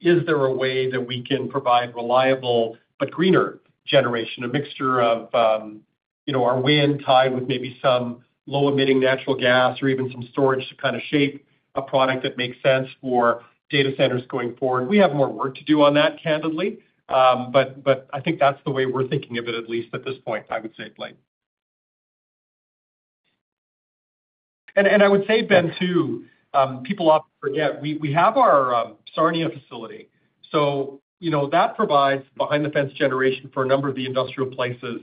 is there a way that we can provide reliable but greener generation, a mixture of our wind tied with maybe some low-emitting natural gas or even some storage to kind of shape a product that makes sense for data centers going forward? We have more work to do on that, candidly. But I think that's the way we're thinking of it at least at this point, I would say, Blain. And I would say, Ben, too, people often forget, we have our Sarnia facility. So that provides behind-the-fence generation for a number of the industrial places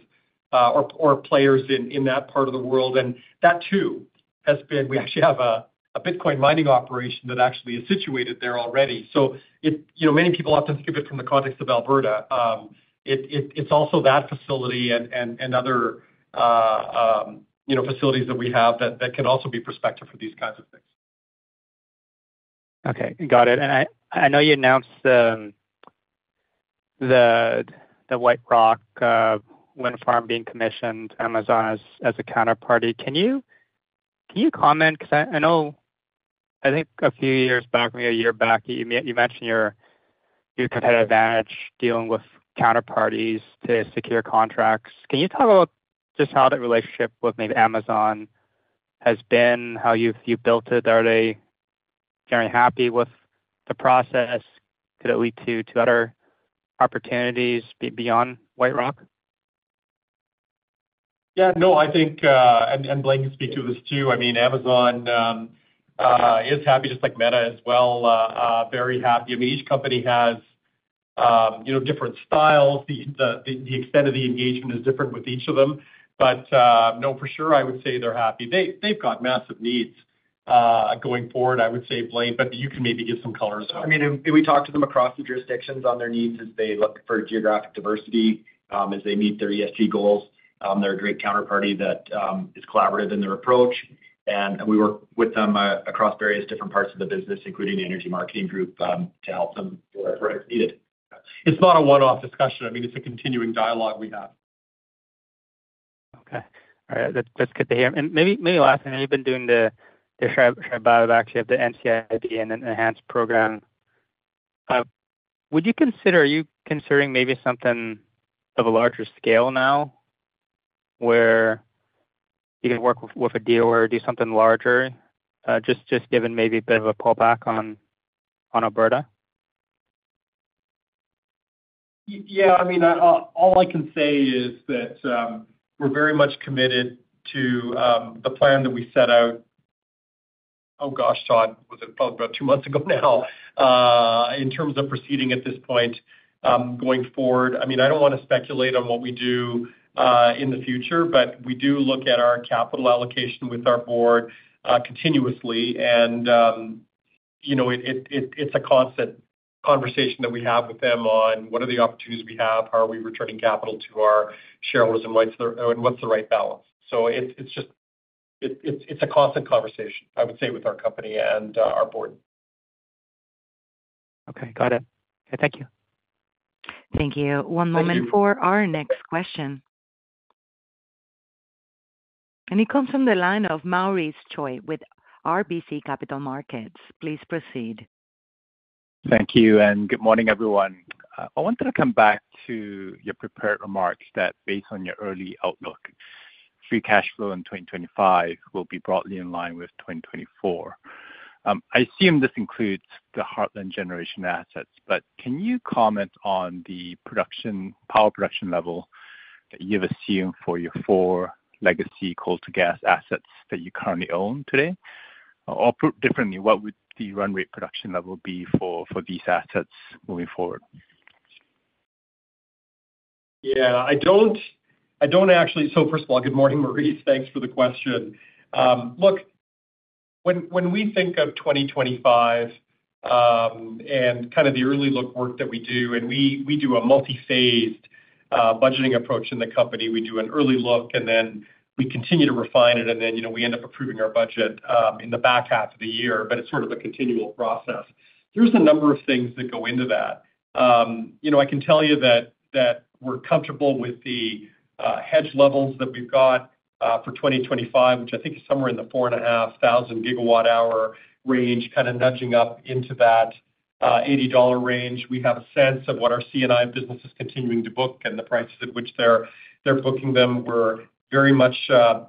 or players in that part of the world. And that too has been we actually have a Bitcoin mining operation that actually is situated there already. So many people often think of it from the context of Alberta. It's also that facility and other facilities that we have that can also be prospective for these kinds of things. Okay. Got it. And I know you announced the White Rock Wind Farm being commissioned, Amazon as a counterparty. Can you comment? Because I think a few years back, maybe a year back, you mentioned your competitive advantage dealing with counterparties to secure contracts. Can you talk about just how that relationship with maybe Amazon has been, how you've built it? Are they generally happy with the process? Could it lead to other opportunities beyond White Rock? Yeah. No. And Blain can speak to this too. I mean, Amazon is happy, just like Meta as well, very happy. I mean, each company has different styles. The extent of the engagement is different with each of them. But no, for sure, I would say they're happy. They've got massive needs going forward, I would say, Blain. But you can maybe give some colors. I mean, we talk to them across the jurisdictions on their needs as they look for geographic diversity, as they meet their ESG goals. They're a great counterparty that is collaborative in their approach. And we work with them across various different parts of the business, including the energy marketing group, to help them where it's needed. It's not a one-off discussion. I mean, it's a continuing dialogue we have. Okay. All right. That's good to hear. And maybe last thing, you've been doing the share buybacks. You have the NCIB and enhanced program. Are you considering maybe something of a larger scale now where you can work with a dealer or do something larger, just given maybe a bit of a pullback on Alberta? Yeah. I mean, all I can say is that we're very much committed to the plan that we set out - oh, gosh, Todd, was it probably about two months ago now - in terms of proceeding at this point going forward. I mean, I don't want to speculate on what we do in the future, but we do look at our capital allocation with our board continuously. And it's a constant conversation that we have with them on, what are the opportunities we have? How are we returning capital to our shareholders and what's the right balance? So it's a constant conversation, I would say, with our company and our board. Okay. Got it. Okay. Thank you. Thank you. One moment for our next question. And it comes from the line of Maurice Choy with RBC Capital Markets. Please proceed. Thank you. And good morning, everyone. I wanted to come back to your prepared remarks that, based on your early outlook, free cash flow in 2025 will be broadly in line with 2024. I assume this includes the Heartland Generation assets. But can you comment on the power production level that you have assumed for your four legacy coal-to-gas assets that you currently own today? Or differently, what would the run-rate production level be for these assets moving forward? Yeah. I don't actually so first of all, good morning, Maurice. Thanks for the question. Look, when we think of 2025 and kind of the early-look work that we do and we do a multi-phased budgeting approach in the company. We do an early look, and then we continue to refine it. Then we end up approving our budget in the back half of the year. It's sort of a continual process. There's a number of things that go into that. I can tell you that we're comfortable with the hedge levels that we've got for 2025, which I think is somewhere in the 4,500 GWh range, kind of nudging up into that $80 range. We have a sense of what our C&I business is continuing to book and the prices at which they're booking them. We're very much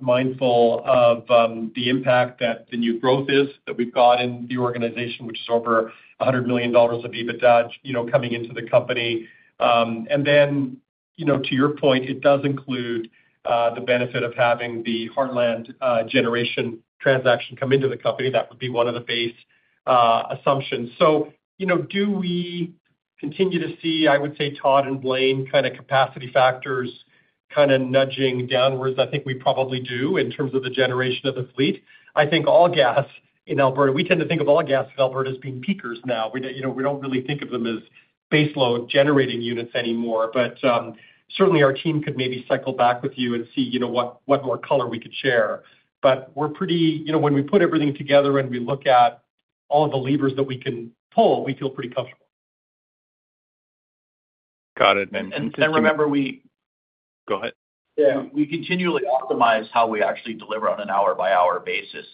mindful of the impact that the new growth is that we've got in the organization, which is over 100 million dollars of EBITDA coming into the company. And then, to your point, it does include the benefit of having the Heartland Generation transaction come into the company. That would be one of the base assumptions. So do we continue to see, I would say, Todd and Blain kind of capacity factors kind of nudging downwards? I think we probably do in terms of the generation of the fleet. I think all gas in Alberta we tend to think of all gas in Alberta as being peakers now. We don't really think of them as baseload generating units anymore. But certainly, our team could maybe cycle back with you and see what more color we could share. But we're pretty when we put everything together and we look at all of the levers that we can pull, we feel pretty comfortable. Got it. And remember, we go ahead. Yeah. We continually optimize how we actually deliver on an hour-by-hour basis.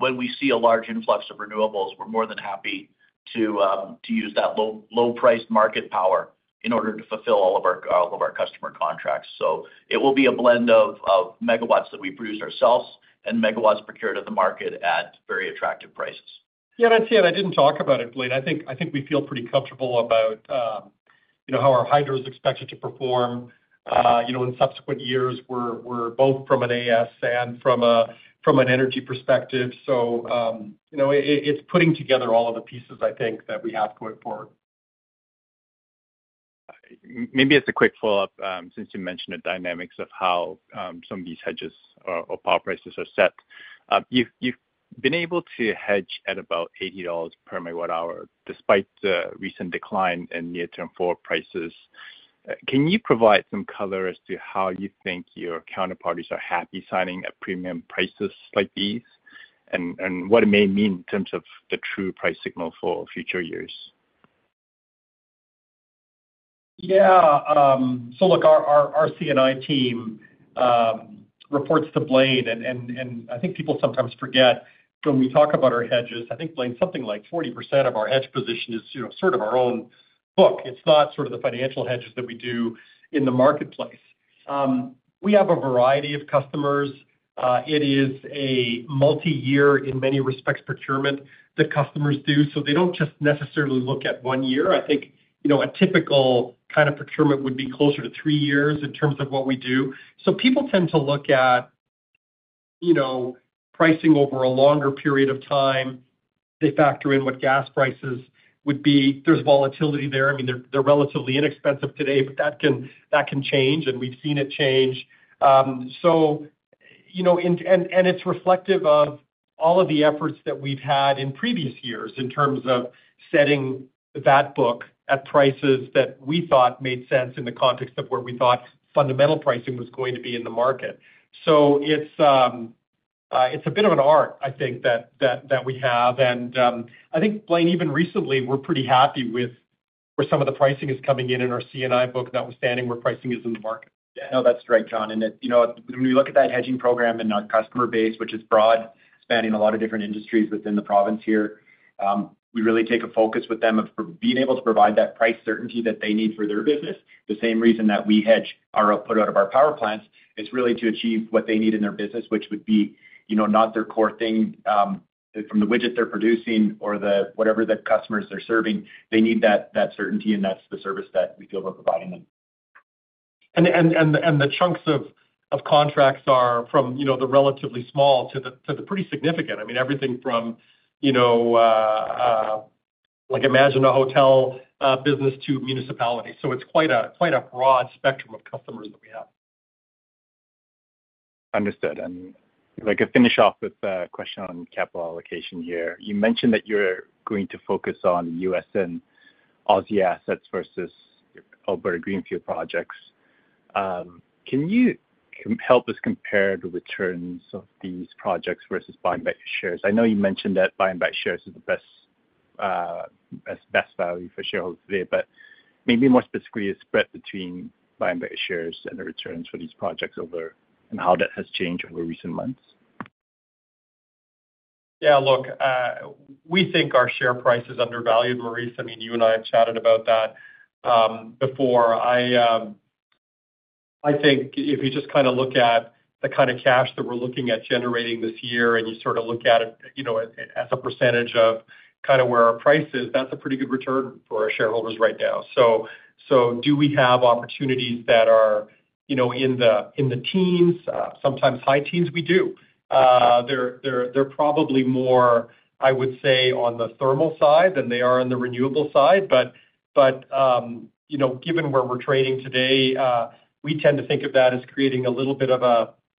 When we see a large influx of renewables, we're more than happy to use that low-priced market power in order to fulfill all of our customer contracts. So it will be a blend of megawatts that we produce ourselves and megawatts procured at the market at very attractive prices. Yeah. And I see it. I didn't talk about it, Blain. I think we feel pretty comfortable about how our hydro is expected to perform in subsequent years. We're both from an AS and from an energy perspective. So it's putting together all of the pieces, I think, that we have to work for. Maybe as a quick follow-up, since you mentioned the dynamics of how some of these hedges or power prices are set, you've been able to hedge at about $80 per megawatt-hour despite the recent decline in near-term floor prices. Can you provide some color as to how you think your counterparties are happy signing at premium prices like these and what it may mean in terms of the true price signal for future years? Yeah. So look, our C&I team reports to Blain. And I think people sometimes forget, when we talk about our hedges, I think, Blain, something like 40% of our hedge position is sort of our own book. It's not sort of the financial hedges that we do in the marketplace. We have a variety of customers. It is a multi-year, in many respects, procurement that customers do. So they don't just necessarily look at one year. I think a typical kind of procurement would be closer to three years in terms of what we do. So people tend to look at pricing over a longer period of time. They factor in what gas prices would be. There's volatility there. I mean, they're relatively inexpensive today, but that can change. And we've seen it change. And it's reflective of all of the efforts that we've had in previous years in terms of setting that book at prices that we thought made sense in the context of where we thought fundamental pricing was going to be in the market. So it's a bit of an art, I think, that we have. And I think, Blain, even recently, we're pretty happy with where some of the pricing is coming in in our C&I book notwithstanding where pricing is in the market. Yeah. No, that's great, John. When we look at that hedging program and our customer base, which is broad, spanning a lot of different industries within the province here, we really take a focus with them of being able to provide that price certainty that they need for their business. The same reason that we hedge our output out of our power plants is really to achieve what they need in their business, which would be not their core thing. From the widget they're producing or whatever the customers they're serving, they need that certainty. And that's the service that we feel we're providing them. And the chunks of contracts are from the relatively small to the pretty significant. I mean, everything from, imagine, a hotel business to municipality. So it's quite a broad spectrum of customers that we have. Understood.To finish off with a question on capital allocation here, you mentioned that you're going to focus on U.S. and Aussie assets versus Alberta greenfield projects. Can you help us compare the returns of these projects versus buying back your shares? I know you mentioned that buying back shares is the best value for shareholders today. But maybe more specifically, the spread between buying back shares and the returns for these projects and how that has changed over recent months? Yeah. Look, we think our share price is undervalued, Maurice. I mean, you and I have chatted about that before. I think if you just kind of look at the kind of cash that we're looking at generating this year, and you sort of look at it as a percentage of kind of where our price is, that's a pretty good return for our shareholders right now. So do we have opportunities that are in the teens, sometimes high teens? We do. They're probably more, I would say, on the thermal side than they are on the renewable side. But given where we're trading today, we tend to think of that as creating a little bit of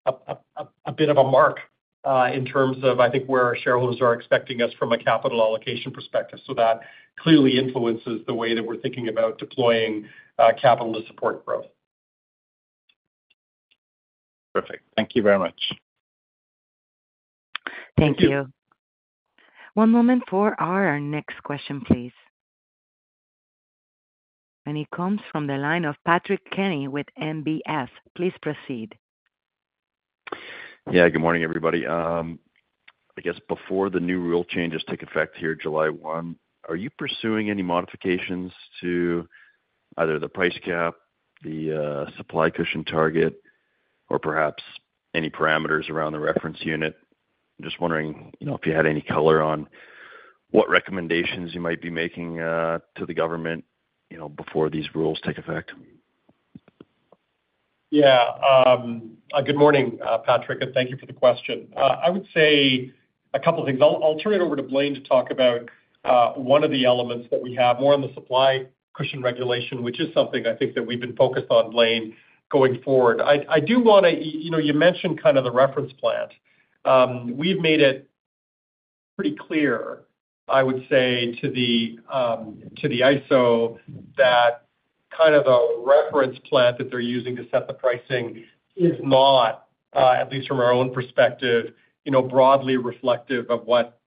a bit of a mark in terms of, I think, where our shareholders are expecting us from a capital allocation perspective. So that clearly influences the way that we're thinking about deploying capital to support growth. Perfect. Thank you very much. Thank you. One moment for our next question, please. And it comes from the line of Patrick Kenny with NBF. Please proceed. Yeah. Good morning, everybody. I guess before the new rule changes take effect here, July 1, are you pursuing any modifications to either the price cap, the supply cushion target, or perhaps any parameters around the reference unit? Just wondering if you had any color on what recommendations you might be making to the government before these rules take effect. Yeah. Good morning, Patrick. Thank you for the question. I would say a couple of things. I'll turn it over to Blain to talk about one of the elements that we have, more on the Supply Cushion Regulation, which is something, I think, that we've been focused on, Blain, going forward. I do want to you mentioned kind of the reference plant. We've made it pretty clear, I would say, to the AESO that kind of the reference plant that they're using to set the pricing is not, at least from our own perspective, broadly reflective of what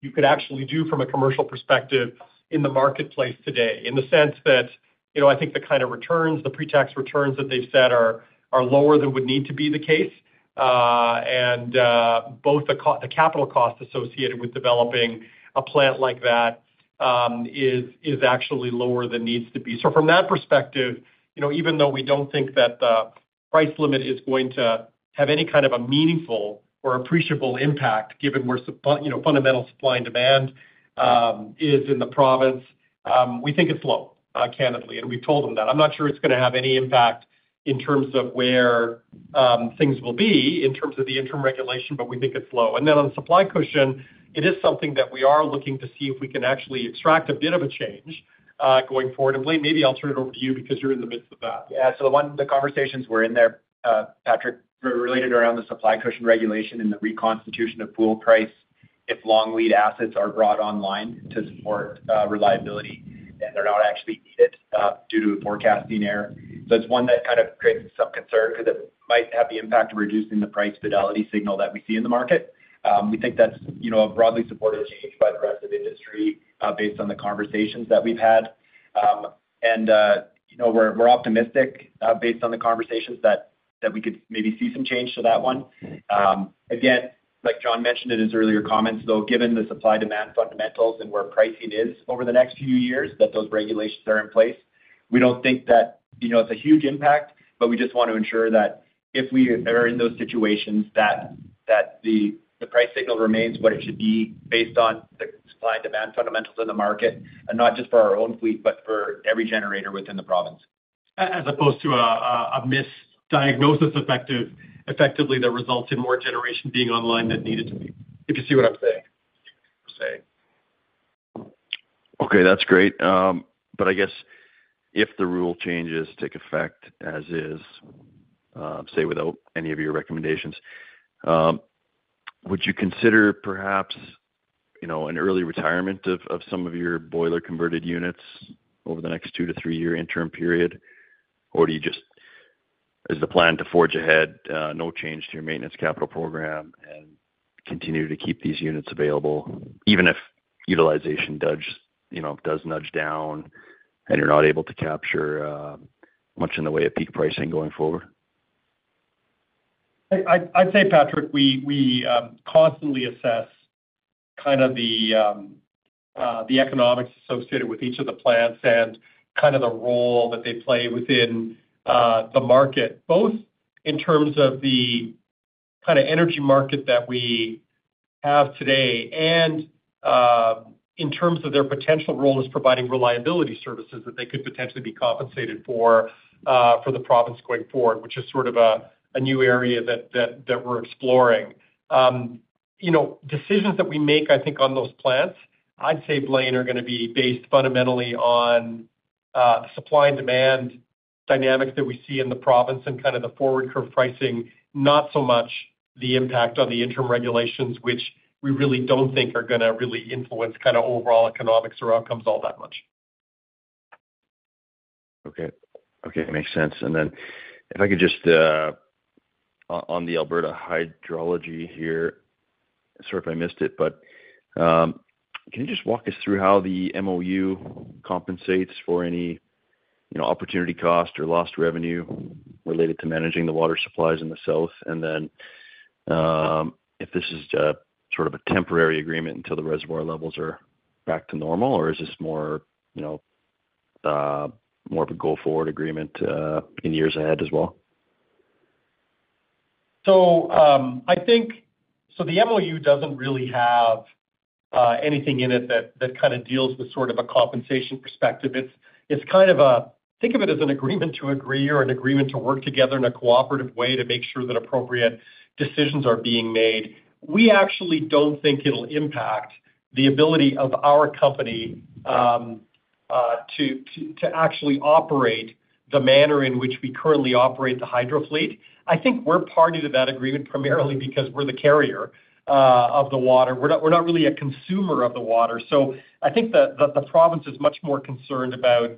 you could actually do from a commercial perspective in the marketplace today, in the sense that I think the kind of returns, the pre-tax returns that they've set are lower than would need to be the case. And both the capital costs associated with developing a plant like that is actually lower than needs to be. So from that perspective, even though we don't think that the price limit is going to have any kind of a meaningful or appreciable impact, given where fundamental supply and demand is in the province, we think it's low, candidly. And we've told them that. I'm not sure it's going to have any impact in terms of where things will be in terms of the interim regulation, but we think it's low. And then on supply cushion, it is something that we are looking to see if we can actually extract a bit of a change going forward. And Blain, maybe I'll turn it over to you because you're in the midst of that. Yeah. So the conversations were in there, Patrick, related around the Supply Cushion Regulation and the reconstitution of pool price if long lead assets are brought online to support reliability and they're not actually needed due to a forecasting error. So it's one that kind of creates some concern because it might have the impact of reducing the price fidelity signal that we see in the market. We think that's a broadly supported change by the rest of industry based on the conversations that we've had. We're optimistic based on the conversations that we could maybe see some change to that one. Again, like John mentioned in his earlier comments, though, given the supply-demand fundamentals and where pricing is over the next few years, that those regulations are in place, we don't think that it's a huge impact. We just want to ensure that if we are in those situations, that the price signal remains what it should be based on the supply and demand fundamentals in the market, and not just for our own fleet, but for every generator within the province. As opposed to a misdiagnosis effectively that results in more generation being online than needed to be, if you see what I'm saying. Okay. That's great. But I guess if the rule changes take effect as is, say, without any of your recommendations, would you consider perhaps an early retirement of some of your boiler-converted units over the next 2- to 3-year interim period? Or is the plan to forge ahead, no change to your maintenance capital program, and continue to keep these units available even if utilization does nudge down and you're not able to capture much in the way of peak pricing going forward? I'd say, Patrick, we constantly assess kind of the economics associated with each of the plants and kind of the role that they play within the market, both in terms of the kind of energy market that we have today and in terms of their potential role as providing reliability services that they could potentially be compensated for for the province going forward, which is sort of a new area that we're exploring. Decisions that we make, I think, on those plants, I'd say, Blain, are going to be based fundamentally on the supply and demand dynamics that we see in the province and kind of the forward curve pricing, not so much the impact on the interim regulations, which we really don't think are going to really influence kind of overall economics or outcomes all that much. Okay. Okay. Makes sense. And then if I could just on the Alberta hydrology here, sorry if I missed it, but can you just walk us through how the MOU compensates for any opportunity cost or lost revenue related to managing the water supplies in the south? And then if this is sort of a temporary agreement until the reservoir levels are back to normal, or is this more of a go-forward agreement in years ahead as well? So the MOU doesn't really have anything in it that kind of deals with sort of a compensation perspective. It's kind of. Think of it as an agreement to agree or an agreement to work together in a cooperative way to make sure that appropriate decisions are being made. We actually don't think it'll impact the ability of our company to actually operate in the manner in which we currently operate the hydro fleet. I think we're party to that agreement primarily because we're the carrier of the water. We're not really a consumer of the water. So I think that the province is much more concerned about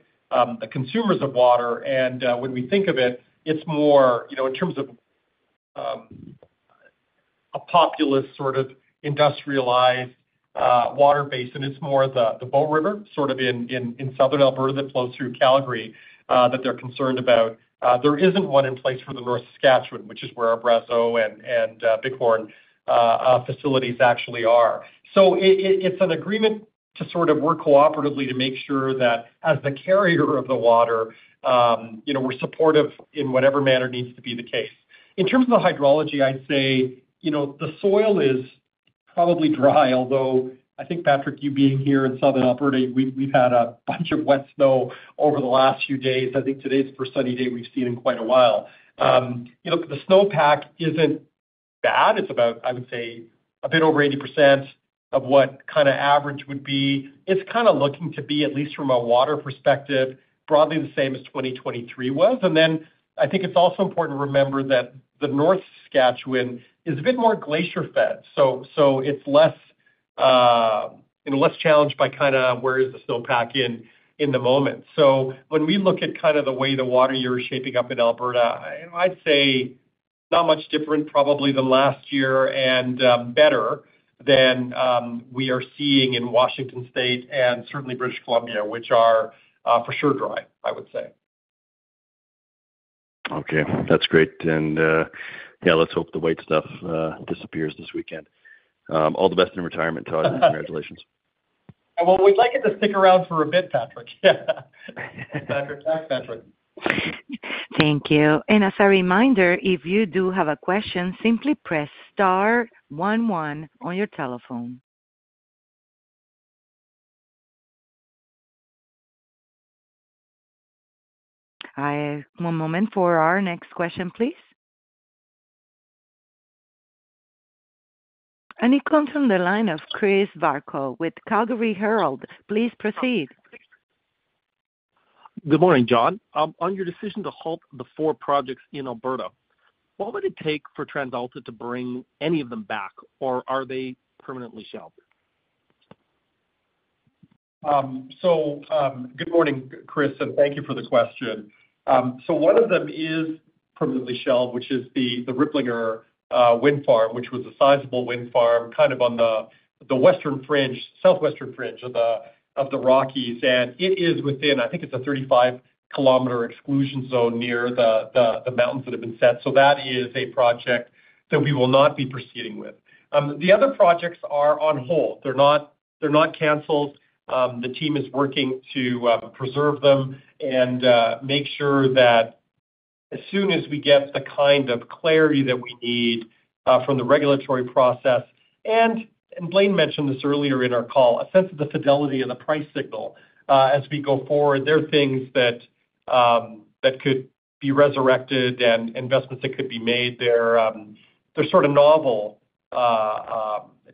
the consumers of water. And when we think of it, it's more in terms of a populist sort of industrialized water base. And it's more the Bow River sort of in southern Alberta that flows through Calgary that they're concerned about. There isn't one in place for the North Saskatchewan, which is where Brazeau and Bighorn facilities actually are. So it's an agreement to sort of work cooperatively to make sure that as the carrier of the water, we're supportive in whatever manner needs to be the case. In terms of the hydrology, I'd say the soil is probably dry, although I think, Patrick, you being here in southern Alberta, we've had a bunch of wet snow over the last few days. I think today's the first sunny day we've seen in quite a while. The snowpack isn't bad. It's about, I would say, a bit over 80% of what kind of average would be. It's kind of looking to be, at least from a water perspective, broadly the same as 2023 was. And then I think it's also important to remember that the North Saskatchewan is a bit more glacier-fed. So it's less challenged by kind of where is the snowpack in the moment. So when we look at kind of the way the water year is shaping up in Alberta, I'd say not much different, probably, than last year and better than we are seeing in Washington State and certainly British Columbia, which are for sure dry, I would say. Okay. That's great. And yeah, let's hope the white stuff disappears this weekend. All the best in retirement, Todd. Congratulations. Well, we'd like it to stick around for a bit, Patrick. Yeah. Thanks, Patrick. Thank you. And as a reminder, if you do have a question, simply press star 11 on your telephone. One moment for our next question, please. And it comes from the line of Chris Varcoe with Calgary Herald. Please proceed. Good morning, John. On your decision to halt the 4 projects in Alberta, what would it take for TransAlta to bring any of them back, or are they permanently shelved? Good morning, Chris. Thank you for the question. One of them is permanently shelved, which is the Riplinger Wind Farm, which was a sizable wind farm kind of on the southwestern fringe of the Rockies. And it is within I think it's a 35 km exclusion zone near the mountains that have been set. That is a project that we will not be proceeding with. The other projects are on hold. They're not canceled. The team is working to preserve them and make sure that as soon as we get the kind of clarity that we need from the regulatory process and Blain mentioned this earlier in our call, a sense of the fidelity of the price signal as we go forward. There are things that could be resurrected and investments that could be made. They're sort of novel.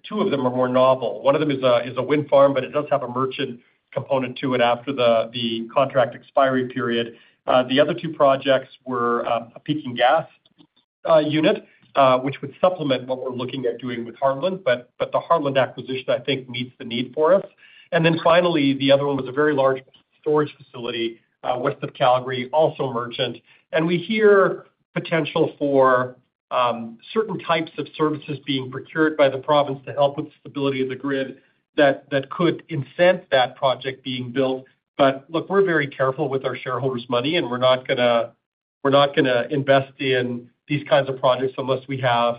Two of them are more novel. One of them is a wind farm, but it does have a merchant component to it after the contract expiry period. The other two projects were a peaking gas unit, which would supplement what we're looking at doing with Heartland. But the Heartland acquisition, I think, meets the need for us. And then finally, the other one was a very large storage facility west of Calgary, also merchant. We hear potential for certain types of services being procured by the province to help with the stability of the grid that could incent that project being built. But look, we're very careful with our shareholders' money, and we're not going to invest in these kinds of projects unless we have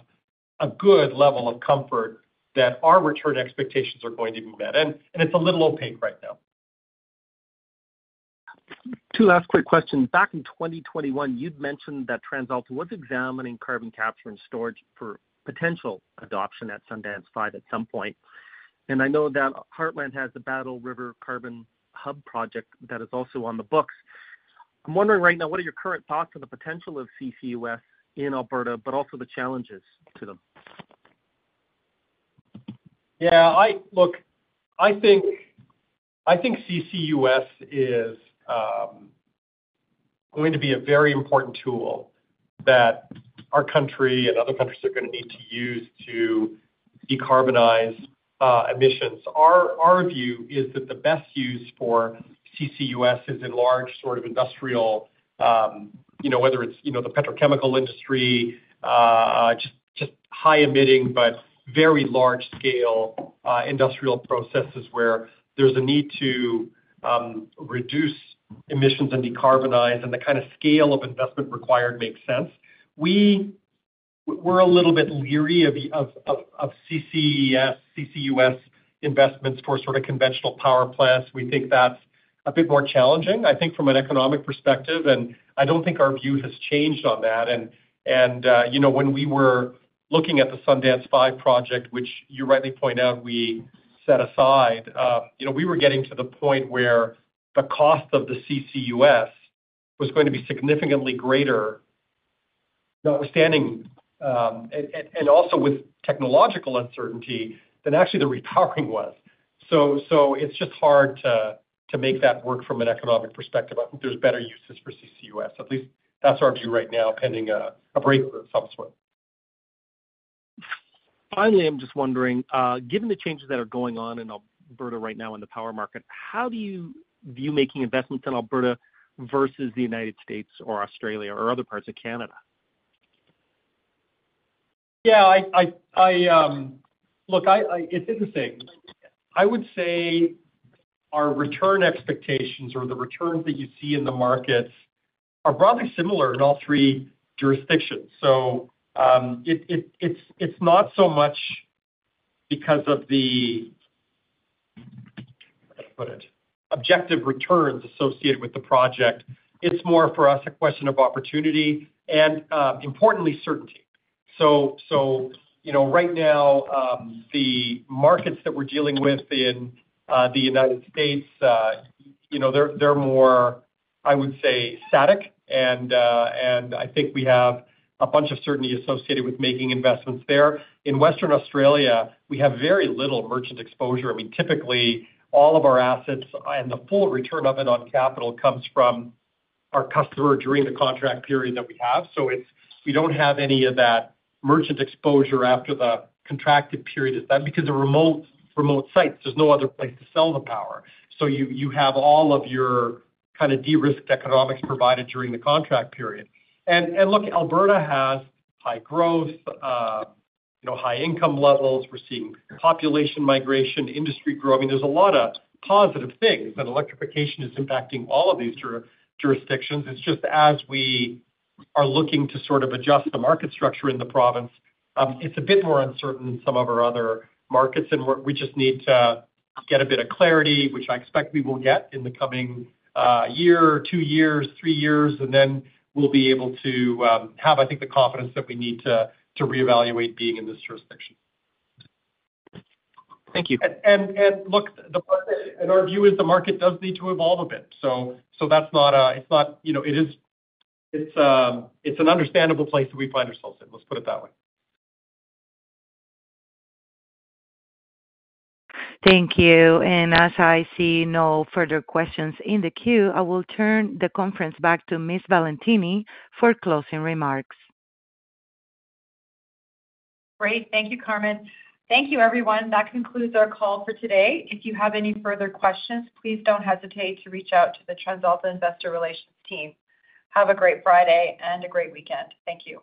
a good level of comfort that our return expectations are going to be met. And it's a little opaque right now. Two last quick questions. Back in 2021, you'd mentioned that TransAlta was examining carbon capture and storage for potential adoption at Sundance 5 at some point. And I know that Heartland has the Battle River Carbon Hub project that is also on the books. I'm wondering right now, what are your current thoughts on the potential of CCUS in Alberta, but also the challenges to them? Yeah. Look, I think CCUS is going to be a very important tool that our country and other countries are going to need to use to decarbonize emissions. Our view is that the best use for CCUS is in large sort of industrial, whether it's the petrochemical industry, just high-emitting but very large-scale industrial processes where there's a need to reduce emissions and decarbonize. The kind of scale of investment required makes sense. We're a little bit leery of CCUS investments for sort of conventional power plants. We think that's a bit more challenging, I think, from an economic perspective. I don't think our view has changed on that. When we were looking at the Sundance 5 project, which you rightly point out we set aside, we were getting to the point where the cost of the CCUS was going to be significantly greater notwithstanding and also with technological uncertainty than actually the repowering was. So it's just hard to make that work from an economic perspective. I think there's better uses for CCUS. At least that's our view right now, pending a breakthrough somewhere. Finally, I'm just wondering, given the changes that are going on in Alberta right now in the power market, how do you view making investments in Alberta versus the United States or Australia or other parts of Canada? Yeah. Look, it's interesting. I would say our return expectations or the returns that you see in the markets are broadly similar in all three jurisdictions. So it's not so much because of the - how do I put it? - objective returns associated with the project. It's more for us a question of opportunity and, importantly, certainty. So right now, the markets that we're dealing with in the United States, they're more, I would say, static. And I think we have a bunch of certainty associated with making investments there. In Western Australia, we have very little merchant exposure. I mean, typically, all of our assets and the full return of it on capital comes from our customer during the contract period that we have. So we don't have any of that merchant exposure after the contracted period is done because of remote sites. There's no other place to sell the power. So you have all of your kind of de-risked economics provided during the contract period. And look, Alberta has high growth, high income levels. We're seeing population migration, industry growth. I mean, there's a lot of positive things. And electrification is impacting all of these jurisdictions. It's just as we are looking to sort of adjust the market structure in the province, it's a bit more uncertain than some of our other markets. And we just need to get a bit of clarity, which I expect we will get in the coming year, two years, three years. And then we'll be able to have, I think, the confidence that we need to reevaluate being in this jurisdiction. Thank you. And look, and our view is the market does need to evolve a bit. So that's not. It's not. It is. It's an understandable place that we find ourselves in. Let's put it that way. Thank you. As I see no further questions in the queue, I will turn the conference back to Ms. Valentini for closing remarks. Great. Thank you, Carmen. Thank you, everyone. That concludes our call for today. If you have any further questions, please don't hesitate to reach out to the TransAlta Investor Relations team. Have a great Friday and a great weekend. Thank you.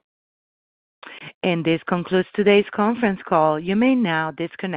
This concludes today's conference call. You may now disconnect.